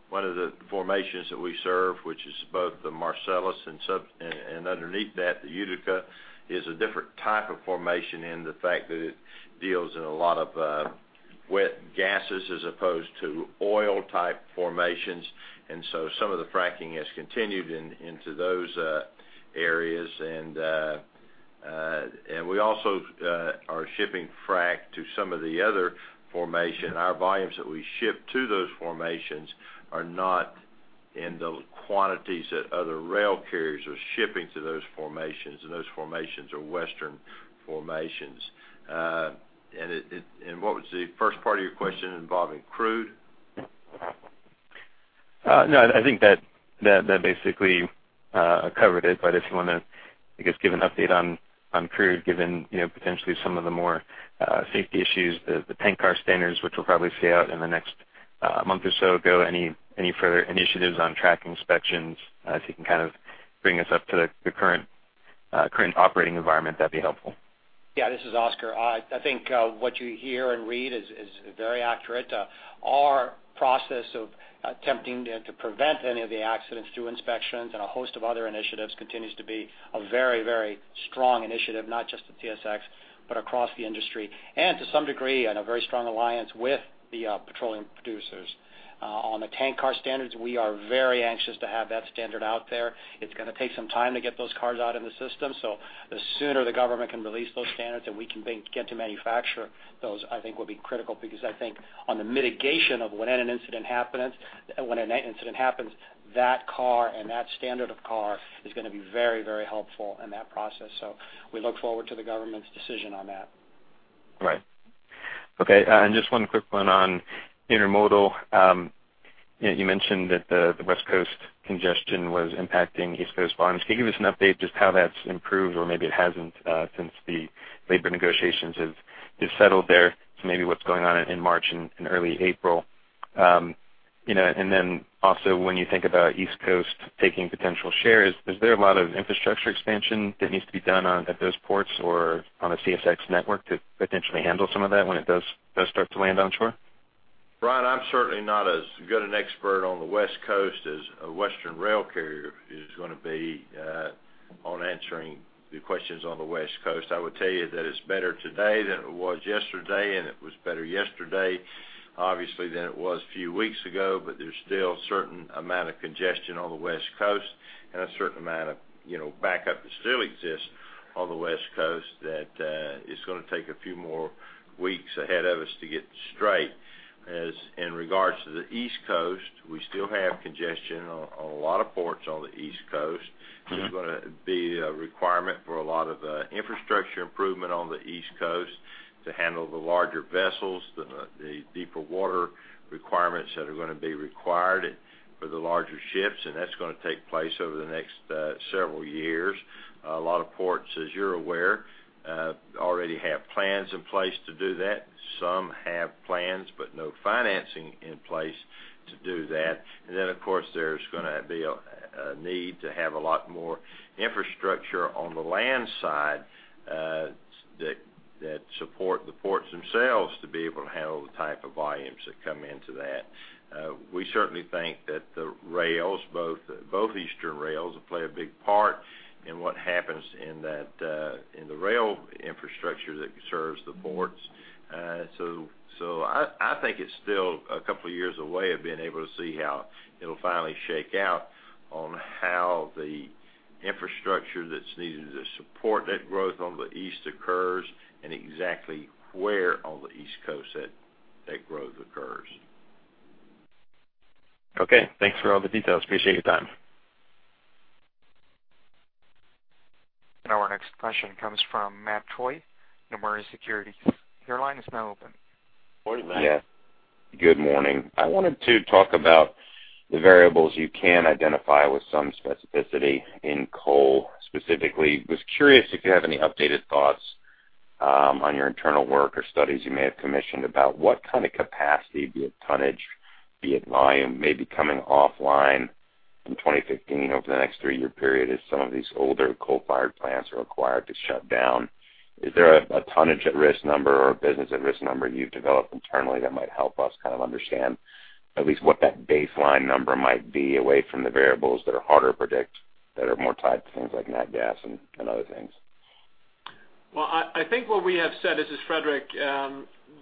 [SPEAKER 8] one of the formations that we serve, which is both the Marcellus and underneath that, the Utica, is a different type of formation in the fact that it deals in a lot of wet gases as opposed to oil-type formations. And so some of the fracking has continued into those areas. And we also are shipping frac to some of the other formations. Our volumes that we ship to those formations are not in the quantities that other rail carriers are shipping to those formations. And those formations are western formations. And what was the first part of your question involving crude?
[SPEAKER 15] No. I think that basically covered it. But if you want to, I guess, give an update on crude, given potentially some of the more safety issues, the tank car standards, which we'll probably see out in the next month or so go, any further initiatives on track inspections, if you can kind of bring us up to the current operating environment, that'd be helpful.
[SPEAKER 6] Yeah. This is Oscar. I think what you hear and read is very accurate. Our process of attempting to prevent any of the accidents through inspections and a host of other initiatives continues to be a very, very strong initiative, not just at CSX but across the industry and to some degree, in a very strong alliance with the petroleum producers. On the tank car standards, we are very anxious to have that standard out there. It's going to take some time to get those cars out in the system. So the sooner the government can release those standards and we can get to manufacture those, I think, will be critical because I think on the mitigation of when an incident happens, when an incident happens, that car and that standard of car is going to be very, very helpful in that process. So we look forward to the government's decision on that.
[SPEAKER 15] Right. Okay. And just one quick one on intermodal. You mentioned that the West Coast congestion was impacting East Coast volumes. Can you give us an update just how that's improved or maybe it hasn't since the labor negotiations have settled there to maybe what's going on in March and early April? And then also, when you think about East Coast taking potential share, is there a lot of infrastructure expansion that needs to be done at those ports or on a CSX network to potentially handle some of that when it does start to land onshore?
[SPEAKER 8] Brian, I'm certainly not as good an expert on the West Coast as a western rail carrier is going to be on answering the questions on the West Coast. I would tell you that it's better today than it was yesterday. It was better yesterday, obviously, than it was a few weeks ago. There's still a certain amount of congestion on the West Coast and a certain amount of backup that still exists on the West Coast that it's going to take a few more weeks ahead of us to get straight. In regards to the East Coast, we still have congestion on a lot of ports on the East Coast. There's going to be a requirement for a lot of infrastructure improvement on the East Coast to handle the larger vessels, the deeper water requirements that are going to be required for the larger ships. And that's going to take place over the next several years. A lot of ports, as you're aware, already have plans in place to do that. Some have plans but no financing in place to do that. And then, of course, there's going to be a need to have a lot more infrastructure on the land side that support the ports themselves to be able to handle the type of volumes that come into that. We certainly think that the rails, both eastern rails, play a big part in what happens in the rail infrastructure that serves the ports. So I think it's still a couple of years away of being able to see how it'll finally shake out on how the infrastructure that's needed to support that growth on the East occurs and exactly where on the East Coast that growth occurs.
[SPEAKER 15] Okay. Thanks for all the details. Appreciate your time.
[SPEAKER 1] And now, our next question comes from Matt Troy, Nomura Securities line is now open.
[SPEAKER 3] Good morning, Matt.
[SPEAKER 16] Yeah. Good morning. I wanted to talk about the variables you can identify with some specificity in coal, specifically. I was curious if you have any updated thoughts on your internal work or studies you may have commissioned about what kind of capacity, be it tonnage, be it volume, maybe coming offline in 2015 over the next three-year period as some of these older coal-fired plants are required to shut down. Is there a tonnage at risk number or a business at risk number you've developed internally that might help us kind of understand at least what that baseline number might be away from the variables that are harder to predict, that are more tied to things like natural gas and other things?
[SPEAKER 4] Well, I think what we have said. This is Fredrik.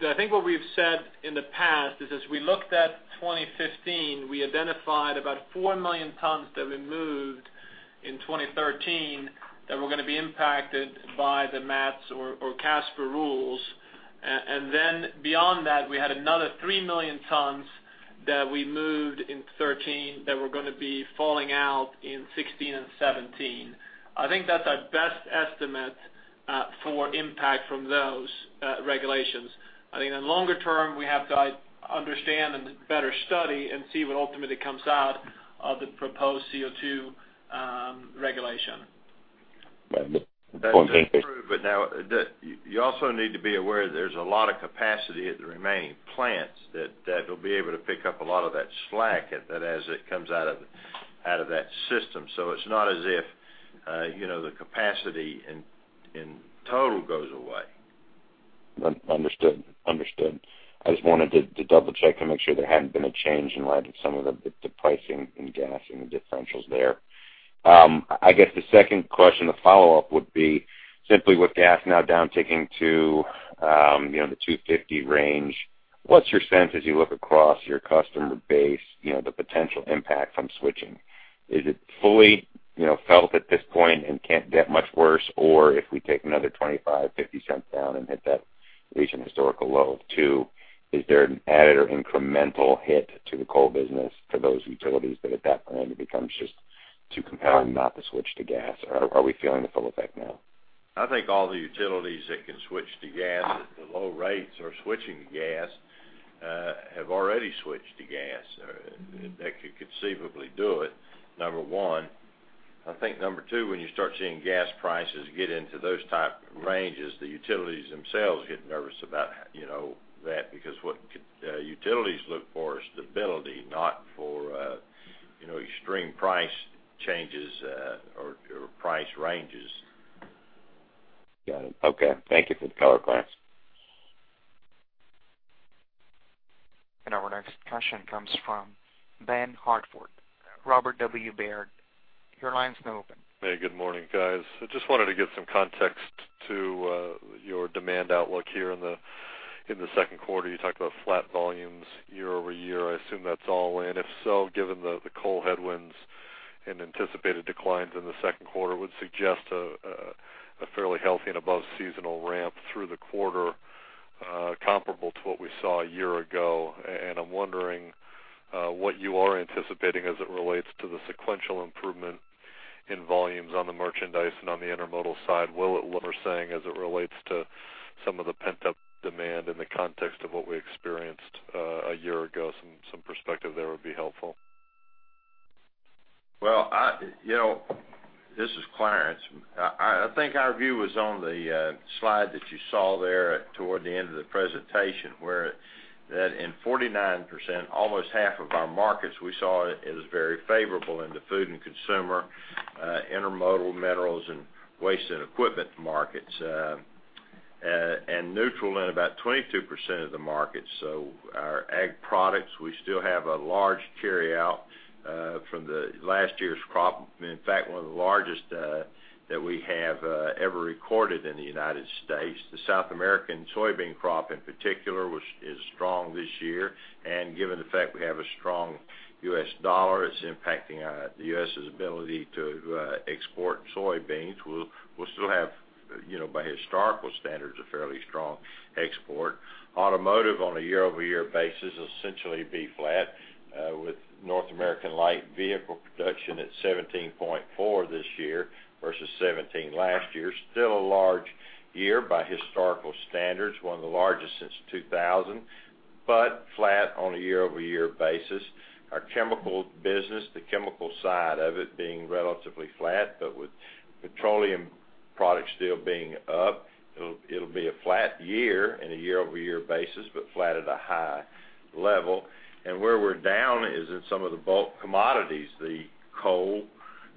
[SPEAKER 4] I think what we've said in the past is as we looked at 2015, we identified about 4 million tons that we moved in 2013 that were going to be impacted by the MATS or CSAPR rules. And then beyond that, we had another 3 million tons that we moved in 2013 that were going to be falling out in 2016 and 2017. I think that's our best estimate for impact from those regulations. I think on longer term, we have to understand and better study and see what ultimately comes out of the proposed CO2 regulation.
[SPEAKER 8] That's approved. But now, you also need to be aware that there's a lot of capacity at the remaining plants that will be able to pick up a lot of that slack as it comes out of that system. So it's not as if the capacity in total goes away.
[SPEAKER 16] Understood. Understood. I just wanted to double-check and make sure there hadn't been a change in light of some of the pricing and gas and the differentials there. I guess the second question, the follow-up, would be simply with gas now downticking to the 250 range, what's your sense as you look across your customer base, the potential impact from switching? Is it fully felt at this point and can't get much worse? Or if we take another $0.25-$0.50 down and hit that recent historical low $2, is there an added or incremental hit to the coal business for those utilities that at that point, it becomes just too compelling not to switch to gas? Or are we feeling the full effect now?
[SPEAKER 8] I think all the utilities that can switch to gas at the low rates or switching to gas have already switched to gas that could conceivably do it, number one. I think number two, when you start seeing gas prices get into those type ranges, the utilities themselves get nervous about that because what utilities look for is stability, not for extreme price changes or price ranges.
[SPEAKER 16] Got it. Okay. Thank you for the color clearance.
[SPEAKER 1] And now, our next question comes from Ben Hartford, Robert W. Baird. The line is now open.
[SPEAKER 17] Hey. Good morning, guys. I just wanted to get some context to your demand outlook here in the second quarter. You talked about flat volumes year-over-year. I assume that's all in. If so, given the coal headwinds and anticipated declines in the second quarter, it would suggest a fairly healthy and above-seasonal ramp through the quarter comparable to what we saw a year ago. And I'm wondering what you are anticipating as it relates to the sequential improvement in volumes on the merchandise and on the intermodal side. You're saying as it relates to some of the pent-up demand in the context of what we experienced a year ago. Some perspective there would be helpful.
[SPEAKER 8] Well, this is Clarence. I think our view was on the slide that you saw there toward the end of the presentation where that in 49%, almost half of our markets, we saw it as very favorable in the food and consumer, intermodal, minerals, and waste and equipment markets and neutral in about 22% of the markets. So our ag products, we still have a large carryout from last year's crop. In fact, one of the largest that we have ever recorded in the United States. The South American soybean crop, in particular, is strong this year. And given the fact we have a strong U.S. dollar, it's impacting the U.S.'s ability to export soybeans. We'll still have, by historical standards, a fairly strong export. Automotive, on a year-over-year basis, essentially be flat with North American light vehicle production at 17.4 this year versus 17 last year. Still a large year by historical standards, one of the largest since 2000 but flat on a year-over-year basis. Our chemical business, the chemical side of it being relatively flat but with petroleum products still being up, it'll be a flat year on a year-over-year basis but flat at a high level. And where we're down is in some of the bulk commodities,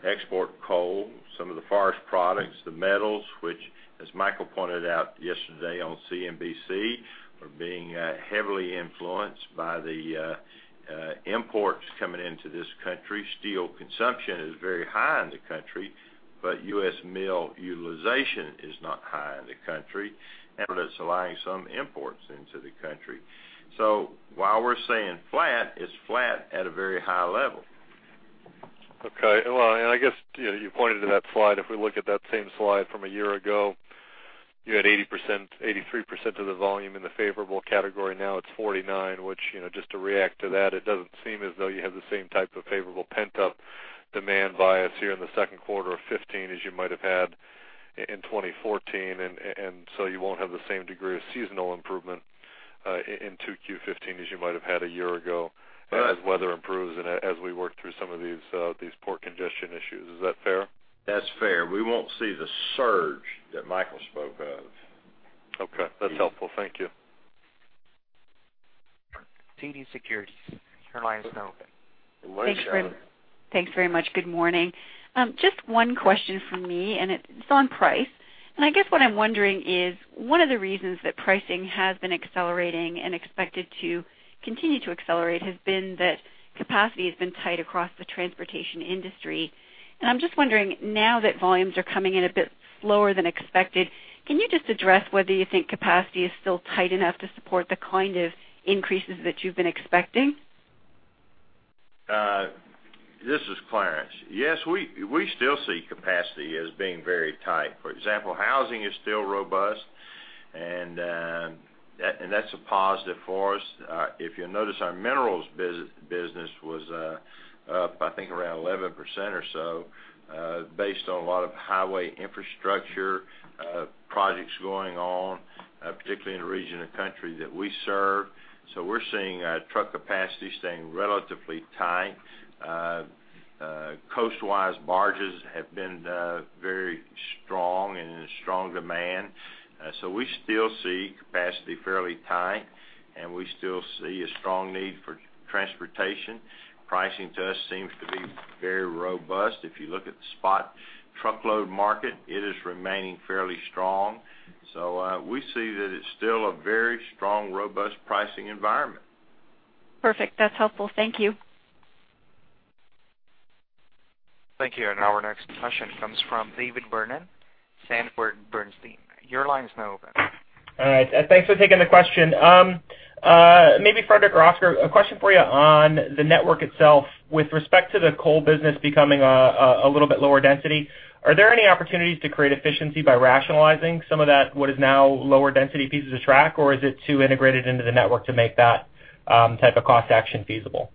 [SPEAKER 8] the export coal, some of the forest products, the metals, which, as Michael pointed out yesterday on CNBC, are being heavily influenced by the imports coming into this country. Steel consumption is very high in the country, but U.S. mill utilization is not high in the country. That's allowing some imports into the country. So while we're saying flat, it's flat at a very high level.
[SPEAKER 17] Okay. Well, and I guess you pointed to that slide. If we look at that same slide from a year ago, you had 83% of the volume in the favorable category. Now, it's 49%, which just to react to that, it doesn't seem as though you have the same type of favorable pent-up demand bias here in the second quarter of 2015 as you might have had in 2014. And so you won't have the same degree of seasonal improvement in 2Q 2015 as you might have had a year ago as weather improves and as we work through some of these port congestion issues. Is that fair?
[SPEAKER 8] That's fair. We won't see the surge that Michael spoke of.
[SPEAKER 17] Okay. That's helpful. Thank you.
[SPEAKER 1] TD Securities, your line is now open.
[SPEAKER 18] Thanks very much. Good morning. Just one question from me, and it's on price. I guess what I'm wondering is one of the reasons that pricing has been accelerating and expected to continue to accelerate has been that capacity has been tight across the transportation industry. I'm just wondering, now that volumes are coming in a bit slower than expected, can you just address whether you think capacity is still tight enough to support the kind of increases that you've been expecting?
[SPEAKER 8] This is Clarence. Yes, we still see capacity as being very tight. For example, housing is still robust, and that's a positive for us. If you notice, our minerals business was up, I think, around 11% or so based on a lot of highway infrastructure projects going on, particularly in the region of country that we serve. So we're seeing truck capacity staying relatively tight. Coastwise barges have been very strong and in strong demand. So we still see capacity fairly tight, and we still see a strong need for transportation. Pricing to us seems to be very robust. If you look at the spot truckload market, it is remaining fairly strong. So we see that it's still a very strong, robust pricing environment.
[SPEAKER 18] Perfect. That's helpful. Thank you.
[SPEAKER 1] Thank you. And now, our next question comes from David Vernon, Sanford Bernstein. Lines now open.
[SPEAKER 19] All right. Thanks for taking the question. Maybe Fredrik or Oscar, a question for you on the network itself. With respect to the coal business becoming a little bit lower density, are there any opportunities to create efficiency by rationalizing some of that what is now lower-density pieces of track? Or is it too integrated into the network to make that type of cost action feasible?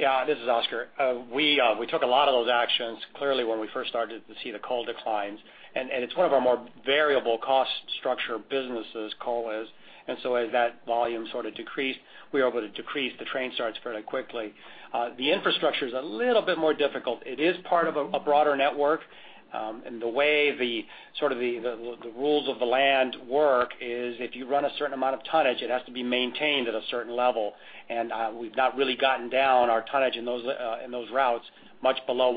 [SPEAKER 6] Yeah. This is Oscar. We took a lot of those actions, clearly, when we first started to see the coal declines. And it's one of our more variable cost structure businesses, coal is. And so as that volume sort of decreased, we were able to decrease the train starts fairly quickly. The infrastructure is a little bit more difficult. It is part of a broader network. The way sort of the rules of the land work is if you run a certain amount of tonnage, it has to be maintained at a certain level. We've not really gotten down our tonnage in those routes much below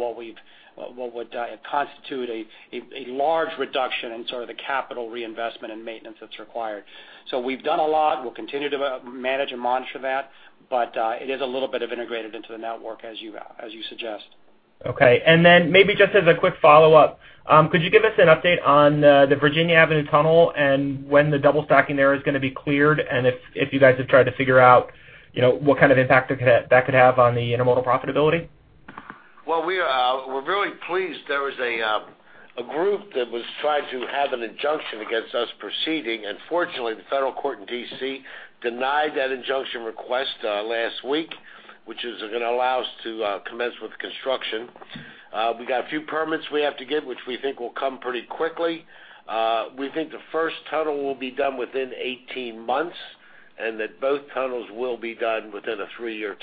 [SPEAKER 6] what would constitute a large reduction in sort of the capital reinvestment and maintenance that's required. So we've done a lot. We'll continue to manage and monitor that. But it is a little bit of integrated into the network, as you suggest.
[SPEAKER 19] Okay. Then maybe just as a quick follow-up, could you give us an update on the Virginia Avenue Tunnel and when the double stacking there is going to be cleared and if you guys have tried to figure out what kind of impact that could have on the intermodal profitability?
[SPEAKER 3] Well, we're really pleased there was a group that was trying to have an injunction against us proceeding. Fortunately, the federal court in D.C. denied that injunction request last week, which is going to allow us to commence with construction. We got a few permits we have to get, which we think will come pretty quickly. We think the first tunnel will be done within 18 months and that both tunnels will be done within a three-year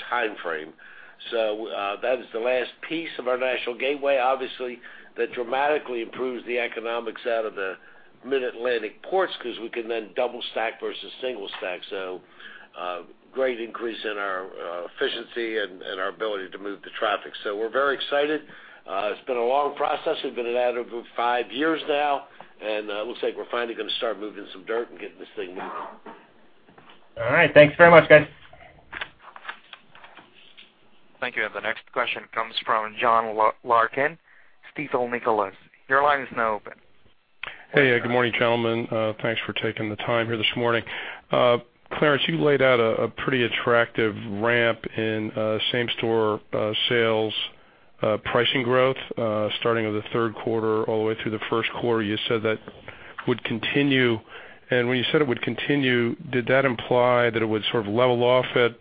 [SPEAKER 3] timeframe. That is the last piece of our National Gateway, obviously, that dramatically improves the economics out of the Mid-Atlantic ports because we can then double stack versus single stack. Great increase in our efficiency and our ability to move the traffic. We're very excited. It's been a long process. We've been at it for five years now. It looks like we're finally going to start moving some dirt and getting this thing moving.
[SPEAKER 19] All right. Thanks very much, guys.
[SPEAKER 1] Thank you. The next question comes from John Larkin, Stifel Nicolaus. The line is now open.
[SPEAKER 20] Hey. Good morning, gentlemen. Thanks for taking the time here this morning. Clarence, you laid out a pretty attractive ramp in same-store sales pricing growth starting with the third quarter all the way through the first quarter. You said that would continue. And when you said it would continue, did that imply that it would sort of level off at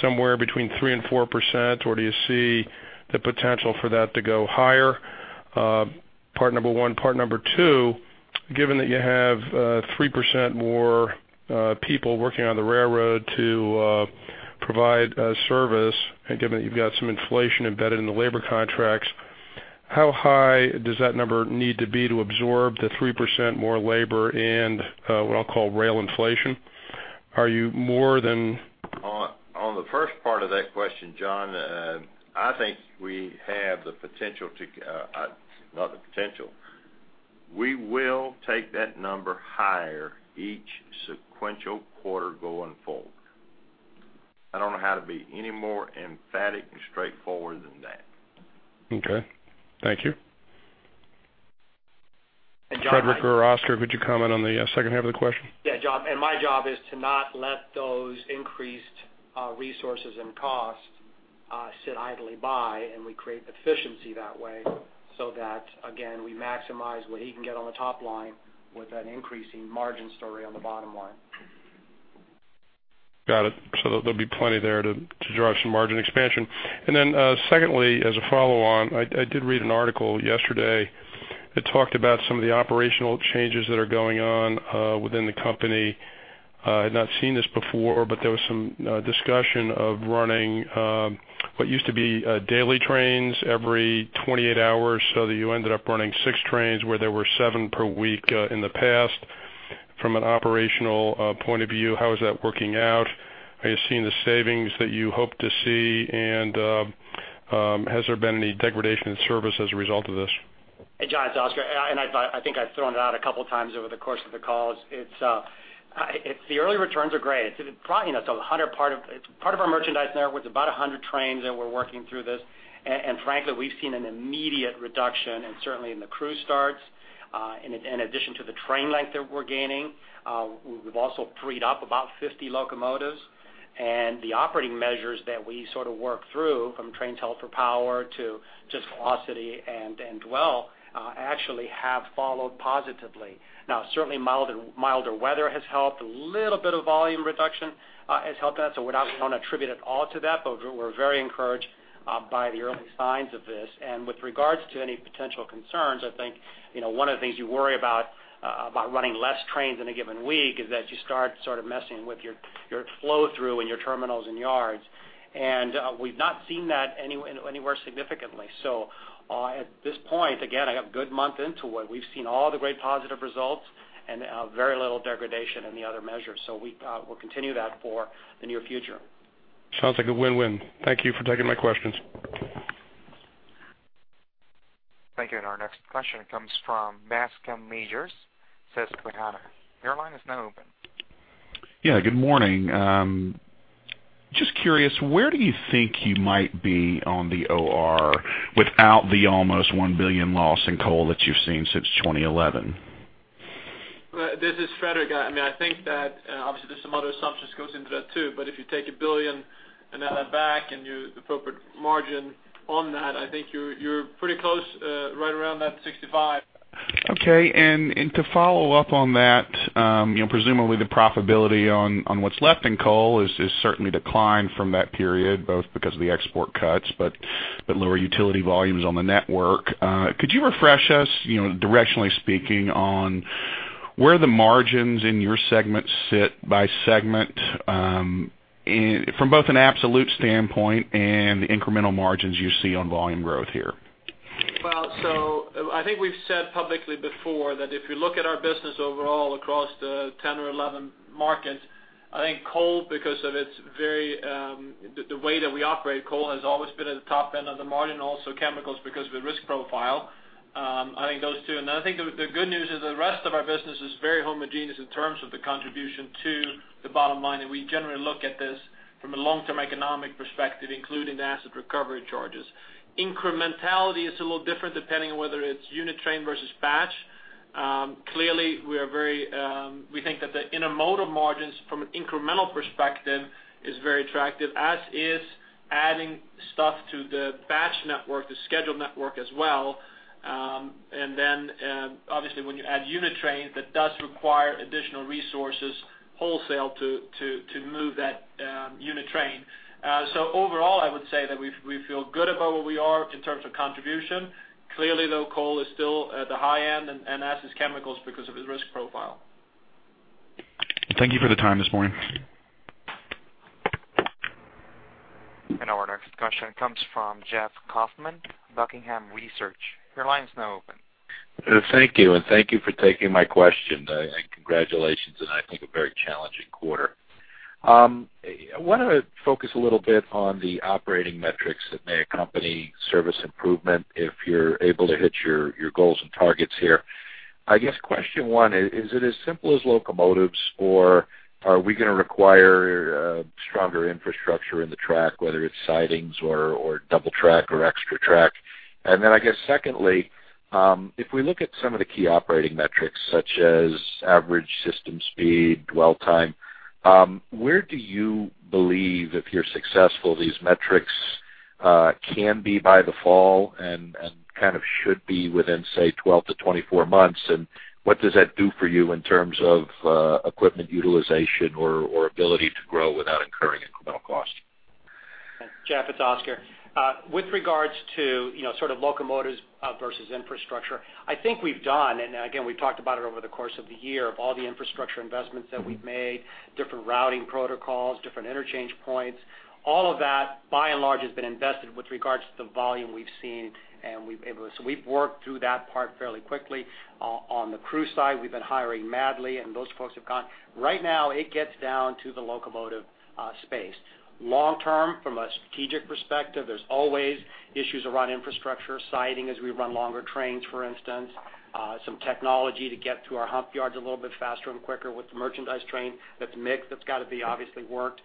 [SPEAKER 20] somewhere between 3%-4%? Or do you see the potential for that to go higher? Part number one. Part number two, given that you have 3% more people working on the railroad to provide service and given that you've got some inflation embedded in the labor contracts, how high does that number need to be to absorb the 3% more labor in what I'll call rail inflation? Are you more than.
[SPEAKER 8] On the first part of that question, John, I think we have the potential. Not the potential. We will take that number higher each sequential quarter going forward. I don't know how to be any more emphatic and straightforward than that.
[SPEAKER 20] Okay. Thank you.
[SPEAKER 8] And John.
[SPEAKER 20] Fredrik or Oscar, could you comment on the second half of the question?
[SPEAKER 8] Yeah, John. And my job is to not let those increased resources and costs sit idly by. And we create efficiency that way so that, again, we maximize what he can get on the top line with that increasing margin story on the bottom line.
[SPEAKER 20] Got it. So there'll be plenty there to drive some margin expansion. And then secondly, as a follow-on, I did read an article yesterday that talked about some of the operational changes that are going on within the company. I had not seen this before, but there was some discussion of running what used to be daily trains every 28 hours. So that you ended up running six trains where there were seven per week in the past. From an operational point of view, how is that working out? Are you seeing the savings that you hope to see? And has there been any degradation in service as a result of this?
[SPEAKER 6] John, it's Oscar. I think I've thrown it out a couple of times over the course of the calls. It's the early returns are great. It's 100 part of it's part of our merchandise network. It's about 100 trains that we're working through this. Frankly, we've seen an immediate reduction, and certainly in the crew starts in addition to the train length that we're gaining. We've also freed up about 50 locomotives. The operating measures that we sort of work through from trains held for power to just velocity and dwell actually have followed positively. Now, certainly, milder weather has helped. A little bit of volume reduction has helped in that. So I don't attribute it all to that, but we're very encouraged by the early signs of this. With regards to any potential concerns, I think one of the things you worry about running less trains in a given week is that you start sort of messing with your flow-through in your terminals and yards. And we've not seen that anywhere significantly. So at this point, again, I have a good month into it. We've seen all the great positive results and very little degradation in the other measures. So we'll continue that for the near future.
[SPEAKER 20] Sounds like a win-win. Thank you for taking my questions.
[SPEAKER 1] Thank you. Our next question comes from Bascome Majors, Susquehanna. Your line is now open.
[SPEAKER 21] Yeah. Good morning. Just curious, where do you think you might be on the OR without the almost $1 billion loss in coal that you've seen since 2011?
[SPEAKER 4] This is Fredrik. I mean, I think that obviously, there's some other assumptions that goes into that too. But if you take $1 billion and add that back and the appropriate margin on that, I think you're pretty close right around that 65.
[SPEAKER 21] Okay. To follow up on that, presumably, the profitability on what's left in coal has certainly declined from that period, both because of the export cuts but lower utility volumes on the network. Could you refresh us, directionally speaking, on where the margins in your segment sit by segment from both an absolute standpoint and the incremental margins you see on volume growth here?
[SPEAKER 4] Well, so I think we've said publicly before that if you look at our business overall across the 10 or 11 markets, I think coal, because of the way that we operate, coal has always been at the top end of the margin. Also, chemicals because of the risk profile. I think those two. And then I think the good news is the rest of our business is very homogeneous in terms of the contribution to the bottom line. And we generally look at this from a long-term economic perspective, including the asset recovery charges. Incrementality is a little different depending on whether it's unit train versus batch. Clearly, we think that the intermodal margins from an incremental perspective is very attractive, as is adding stuff to the batch network, the scheduled network as well. Then obviously, when you add unit trains, that does require additional resources wholesale to move that unit train. Overall, I would say that we feel good about where we are in terms of contribution. Clearly, though, coal is still at the high end, and as is chemicals because of its risk profile.
[SPEAKER 21] Thank you for the time this morning.
[SPEAKER 1] Our next question comes from Jeff Kauffman, Buckingham Research. Your line is now open.
[SPEAKER 22] Thank you. Thank you for taking my question. Congratulations. I think a very challenging quarter. I want to focus a little bit on the operating metrics that may accompany service improvement if you're able to hit your goals and targets here. I guess question one, is it as simple as locomotives, or are we going to require stronger infrastructure in the track, whether it's sidings or double track or extra track? Then I guess secondly, if we look at some of the key operating metrics such as average system speed, dwell time, where do you believe, if you're successful, these metrics can be by the fall and kind of should be within, say, 12-24 months? What does that do for you in terms of equipment utilization or ability to grow without incurring incremental cost?
[SPEAKER 6] Jeff, it's Oscar. With regards to sort of locomotives versus infrastructure, I think we've done and again, we've talked about it over the course of the year of all the infrastructure investments that we've made, different routing protocols, different interchange points. All of that, by and large, has been invested with regards to the volume we've seen. And so we've worked through that part fairly quickly. On the crew side, we've been hiring madly. And those folks have gone right now, it gets down to the locomotive space. Long-term, from a strategic perspective, there's always issues around infrastructure, siding as we run longer trains, for instance, some technology to get through our hump yards a little bit faster and quicker with the merchandise train that's mixed. That's got to be obviously worked.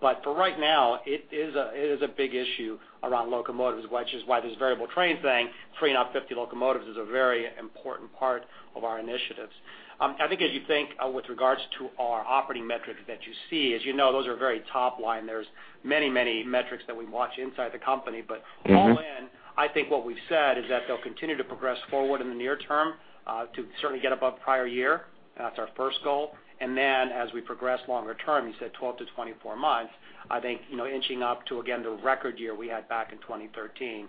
[SPEAKER 6] But for right now, it is a big issue around locomotives, which is why this variable train thing, freeing up 50 locomotives, is a very important part of our initiatives. I think as you think with regards to our operating metrics that you see, as you know, those are very top line. There's many, many metrics that we watch inside the company. But all in, I think what we've said is that they'll continue to progress forward in the near term to certainly get above prior year. And that's our first goal. And then as we progress longer term, you said 12-24 months, I think inching up to, again, the record year we had back in 2013.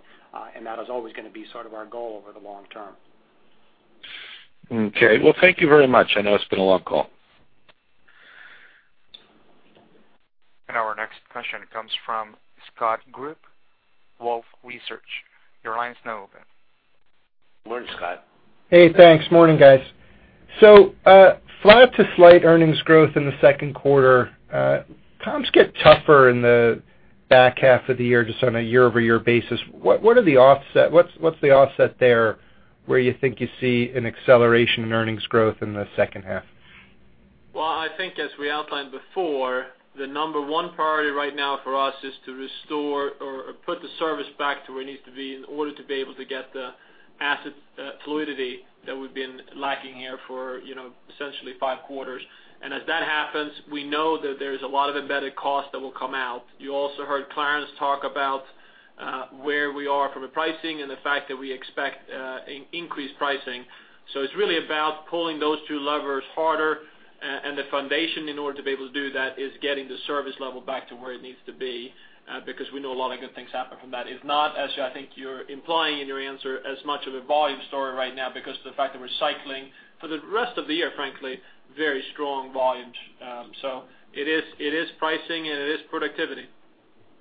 [SPEAKER 6] And that is always going to be sort of our goal over the long term.
[SPEAKER 22] Okay. Well, thank you very much. I know it's been a long call.
[SPEAKER 1] Our next question comes from Scott Group, Wolfe Research. Your line is now open.
[SPEAKER 3] Morning, Scott.
[SPEAKER 23] Hey. Thanks. Morning, guys. So flat to slight earnings growth in the second quarter. Comps get tougher in the back half of the year just on a year-over-year basis. What's the offset there where you think you see an acceleration in earnings growth in the second half?
[SPEAKER 4] Well, I think as we outlined before, the number one priority right now for us is to restore or put the service back to where it needs to be in order to be able to get the asset fluidity that we've been lacking here for essentially five quarters. And as that happens, we know that there's a lot of embedded costs that will come out. You also heard Clarence talk about where we are from a pricing and the fact that we expect increased pricing. So it's really about pulling those two levers harder. And the foundation in order to be able to do that is getting the service level back to where it needs to be because we know a lot of good things happen from that. It's not, as I think you're implying in your answer, as much of a volume story right now because of the fact that we're cycling for the rest of the year, frankly, very strong volumes. So it is pricing, and it is productivity.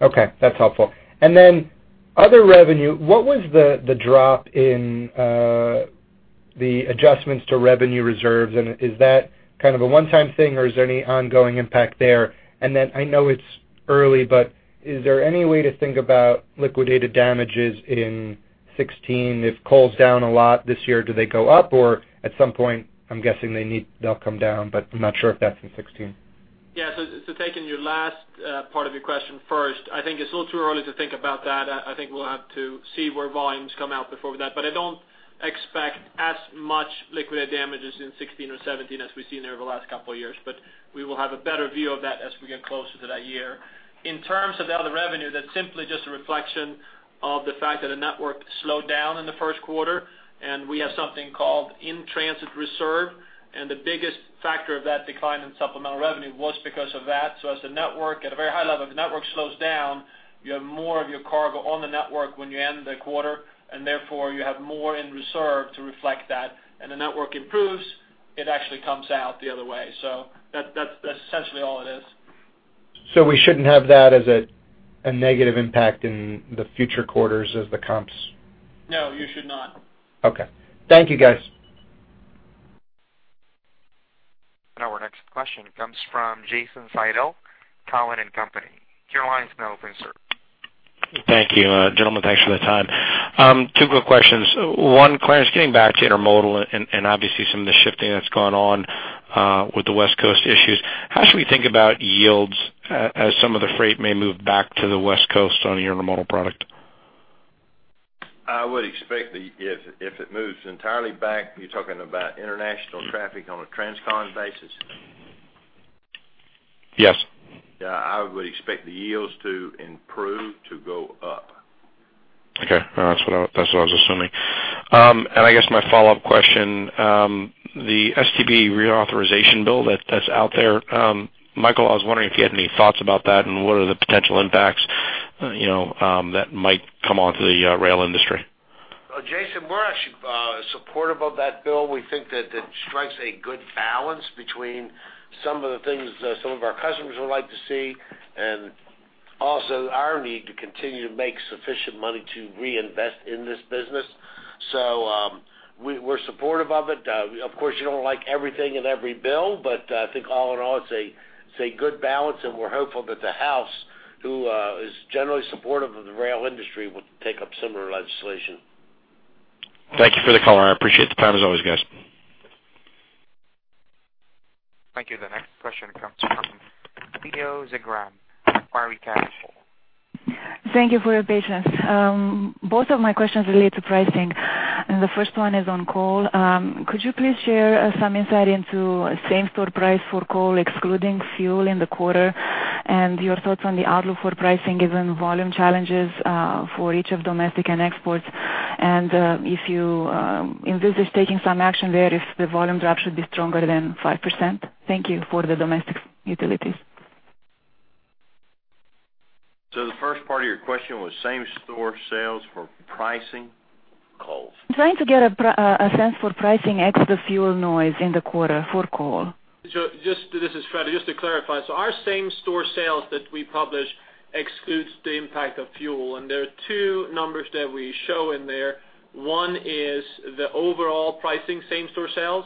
[SPEAKER 23] Okay. That's helpful. And then other revenue, what was the drop in the adjustments to revenue reserves? And is that kind of a one-time thing, or is there any ongoing impact there? And then I know it's early, but is there any way to think about liquidated damages in 2016? If coal's down a lot this year, do they go up? Or at some point, I'm guessing they'll come down, but I'm not sure if that's in 2016.
[SPEAKER 4] Yeah. So taking your last part of your question first, I think it's a little too early to think about that. I think we'll have to see where volumes come out before that. But I don't expect as much liquidated damages in 2016 or 2017 as we've seen over the last couple of years. But we will have a better view of that as we get closer to that year. In terms of the other revenue, that's simply just a reflection of the fact that the network slowed down in the first quarter. And we have something called in-transit reserve. And the biggest factor of that decline in supplemental revenue was because of that. So as the network at a very high level, if the network slows down, you have more of your cargo on the network when you end the quarter. Therefore, you have more in reserve to reflect that. The network improves, it actually comes out the other way. That's essentially all it is.
[SPEAKER 23] We shouldn't have that as a negative impact in the future quarters as the comms?
[SPEAKER 4] No. You should not.
[SPEAKER 23] Okay. Thank you, guys.
[SPEAKER 1] Our next question comes from Jason Seidl, Cowen and Company. Your line is now open, sir.
[SPEAKER 24] Thank you, gentlemen. Thanks for the time. Two quick questions. One, Clarence, getting back to intermodal and obviously some of the shifting that's gone on with the West Coast issues, how should we think about yields as some of the freight may move back to the West Coast on the intermodal product?
[SPEAKER 8] I would expect the if it moves entirely back, you're talking about international traffic on a transcon basis?
[SPEAKER 24] Yes.
[SPEAKER 8] Yeah. I would expect the yields to improve, to go up.
[SPEAKER 24] Okay. That's what I was assuming. And I guess my follow-up question, the STB reauthorization bill that's out there, Michael, I was wondering if you had any thoughts about that and what are the potential impacts that might come onto the rail industry?
[SPEAKER 3] Jason, we're actually supportive of that bill. We think that it strikes a good balance between some of the things some of our customers would like to see and also our need to continue to make sufficient money to reinvest in this business. So we're supportive of it. Of course, you don't like everything in every bill, but I think all in all, it's a good balance. We're hopeful that the House, who is generally supportive of the rail industry, will take up similar legislation.
[SPEAKER 24] Thank you for the color. I appreciate the time as always, guys.
[SPEAKER 1] Thank you. The next question comes from Cleo Zagrean, Macquarie Capital.
[SPEAKER 25] Thank you for your patience. Both of my questions relate to pricing. The first one is on coal. Could you please share some insight into same-store price for coal excluding fuel in the quarter and your thoughts on the outlook for pricing given volume challenges for each of domestic and exports? And if you envisage taking some action there, if the volume drop should be stronger than 5%. Thank you for the domestic utilities.
[SPEAKER 8] So the first part of your question was same-store sales for pricing? Coal.
[SPEAKER 25] I'm trying to get a sense for pricing ex the fuel noise in the quarter for coal.
[SPEAKER 4] So this is Freddy. Just to clarify, our same-store sales that we publish excludes the impact of fuel. There are two numbers that we show in there. One is the overall pricing same-store sales,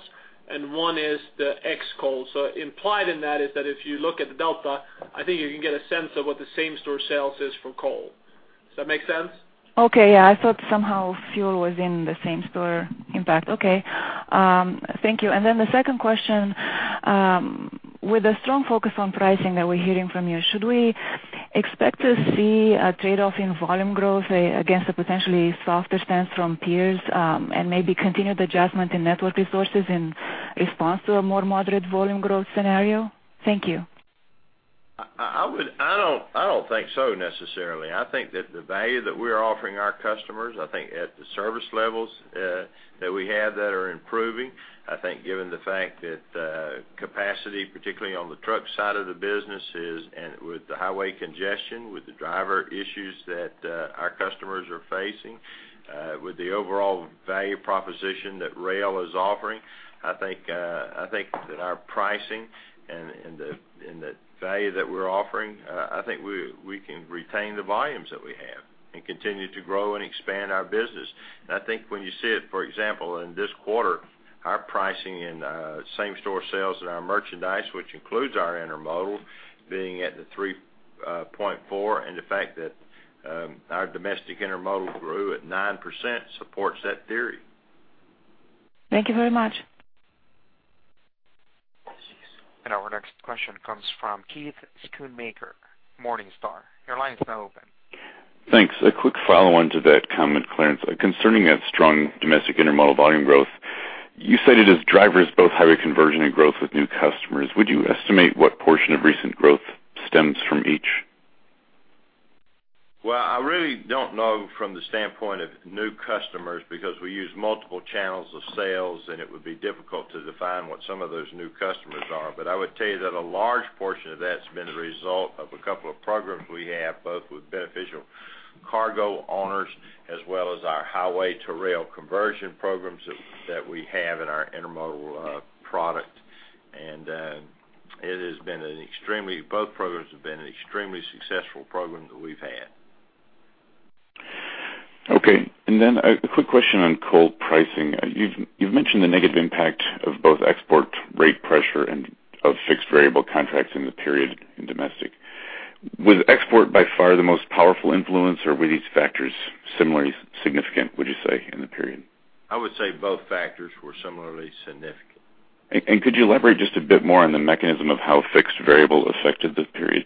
[SPEAKER 4] and one is the ex coal. Implied in that is that if you look at the delta, I think you can get a sense of what the same-store sales is for coal. Does that make sense?
[SPEAKER 25] Okay. Yeah. I thought somehow fuel was in the same-store impact. Okay. Thank you. And then the second question, with a strong focus on pricing that we're hearing from you, should we expect to see a trade-off in volume growth against a potentially softer stance from peers and maybe continue the adjustment in network resources in response to a more moderate volume growth scenario? Thank you.
[SPEAKER 8] I don't think so necessarily. I think that the value that we are offering our customers, I think at the service levels that we have that are improving, I think given the fact that capacity, particularly on the truck side of the business, and with the highway congestion, with the driver issues that our customers are facing, with the overall value proposition that rail is offering, I think that our pricing and the value that we're offering, I think we can retain the volumes that we have and continue to grow and expand our business. I think when you see it, for example, in this quarter, our pricing in same-store sales and our merchandise, which includes our intermodal, being at the 3.4 and the fact that our domestic intermodal grew at 9% supports that theory.
[SPEAKER 25] Thank you very much.
[SPEAKER 1] Our next question comes from Keith Schoonmaker, Morningstar. Your line is now open.
[SPEAKER 26] Thanks. A quick follow-on to that comment, Clarence. Concerning that strong domestic intermodal volume growth, you cited as drivers both highway conversion and growth with new customers. Would you estimate what portion of recent growth stems from each?
[SPEAKER 8] Well, I really don't know from the standpoint of new customers because we use multiple channels of sales, and it would be difficult to define what some of those new customers are. But I would tell you that a large portion of that's been the result of a couple of programs we have, both with beneficial cargo owners as well as our highway-to-rail conversion programs that we have in our intermodal product. Both programs have been an extremely successful program that we've had.
[SPEAKER 26] Okay. And then a quick question on coal pricing. You've mentioned the negative impact of both export rate pressure and of fixed-variable contracts in the period in domestic. Was export by far the most powerful influence, or were these factors similarly significant, would you say, in the period?
[SPEAKER 8] I would say both factors were similarly significant.
[SPEAKER 26] Could you elaborate just a bit more on the mechanism of how fixed-variable affected this period?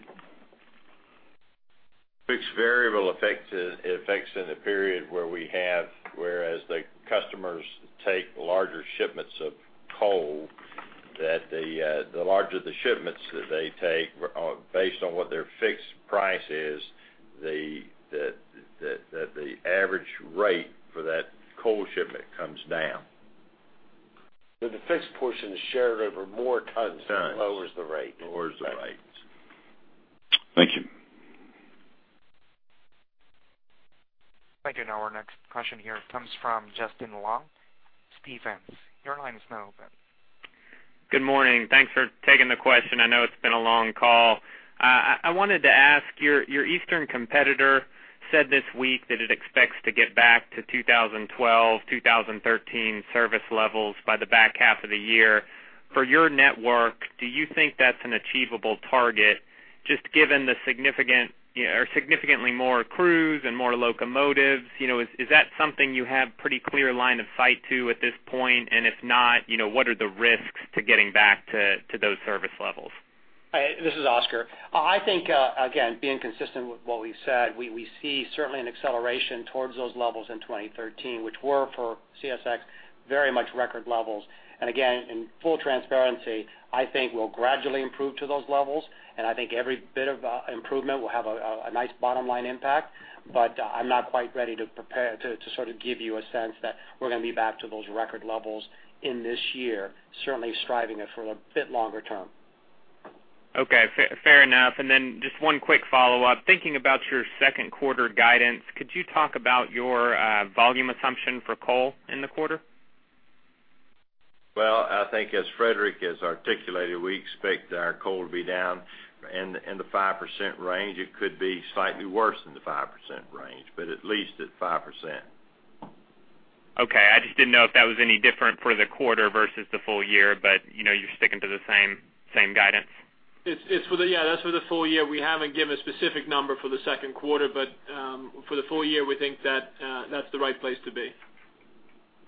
[SPEAKER 8] Fixed-variable affects in the period where we have, whereas the customers take larger shipments of coal, that the larger the shipments that they take, based on what their fixed price is, that the average rate for that coal shipment comes down.
[SPEAKER 3] The fixed portion is shared over more tons.
[SPEAKER 8] Tons.
[SPEAKER 3] Lowers the rate.
[SPEAKER 8] Lowers the rates.
[SPEAKER 26] Thank you.
[SPEAKER 1] Thank you. Our next question here comes from Justin Long, Stephens. Your line is now open.
[SPEAKER 27] Good morning. Thanks for taking the question. I know it's been a long call. I wanted to ask, your eastern competitor said this week that it expects to get back to 2012, 2013 service levels by the back half of the year. For your network, do you think that's an achievable target just given the significant or significantly more crews and more locomotives? Is that something you have pretty clear line of sight to at this point? And if not, what are the risks to getting back to those service levels?
[SPEAKER 6] This is Oscar. I think, again, being consistent with what we've said, we see certainly an acceleration towards those levels in 2013, which were for CSX very much record levels. And again, in full transparency, I think we'll gradually improve to those levels. And I think every bit of improvement will have a nice bottom-line impact. But I'm not quite ready to sort of give you a sense that we're going to be back to those record levels in this year, certainly striving for a bit longer term.
[SPEAKER 27] Okay. Fair enough. Then just one quick follow-up. Thinking about your second-quarter guidance, could you talk about your volume assumption for coal in the quarter?
[SPEAKER 8] Well, I think as Fredrik has articulated, we expect our coal to be down in the 5% range. It could be slightly worse in the 5% range, but at least at 5%.
[SPEAKER 27] Okay. I just didn't know if that was any different for the quarter versus the full year, but you're sticking to the same guidance?
[SPEAKER 4] Yeah. That's for the full year. We haven't given a specific number for the second quarter. For the full year, we think that that's the right place to be.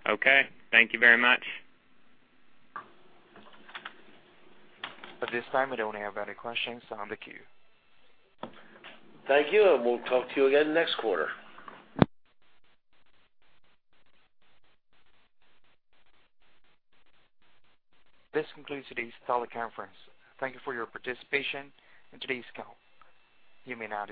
[SPEAKER 27] Okay. Thank you very much.
[SPEAKER 1] At this time, I don't have any questions. So, I'm in the queue.
[SPEAKER 2] Thank you. We'll talk to you again next quarter.
[SPEAKER 1] This concludes today's teleconference. Thank you for your participation in today's call. You may now.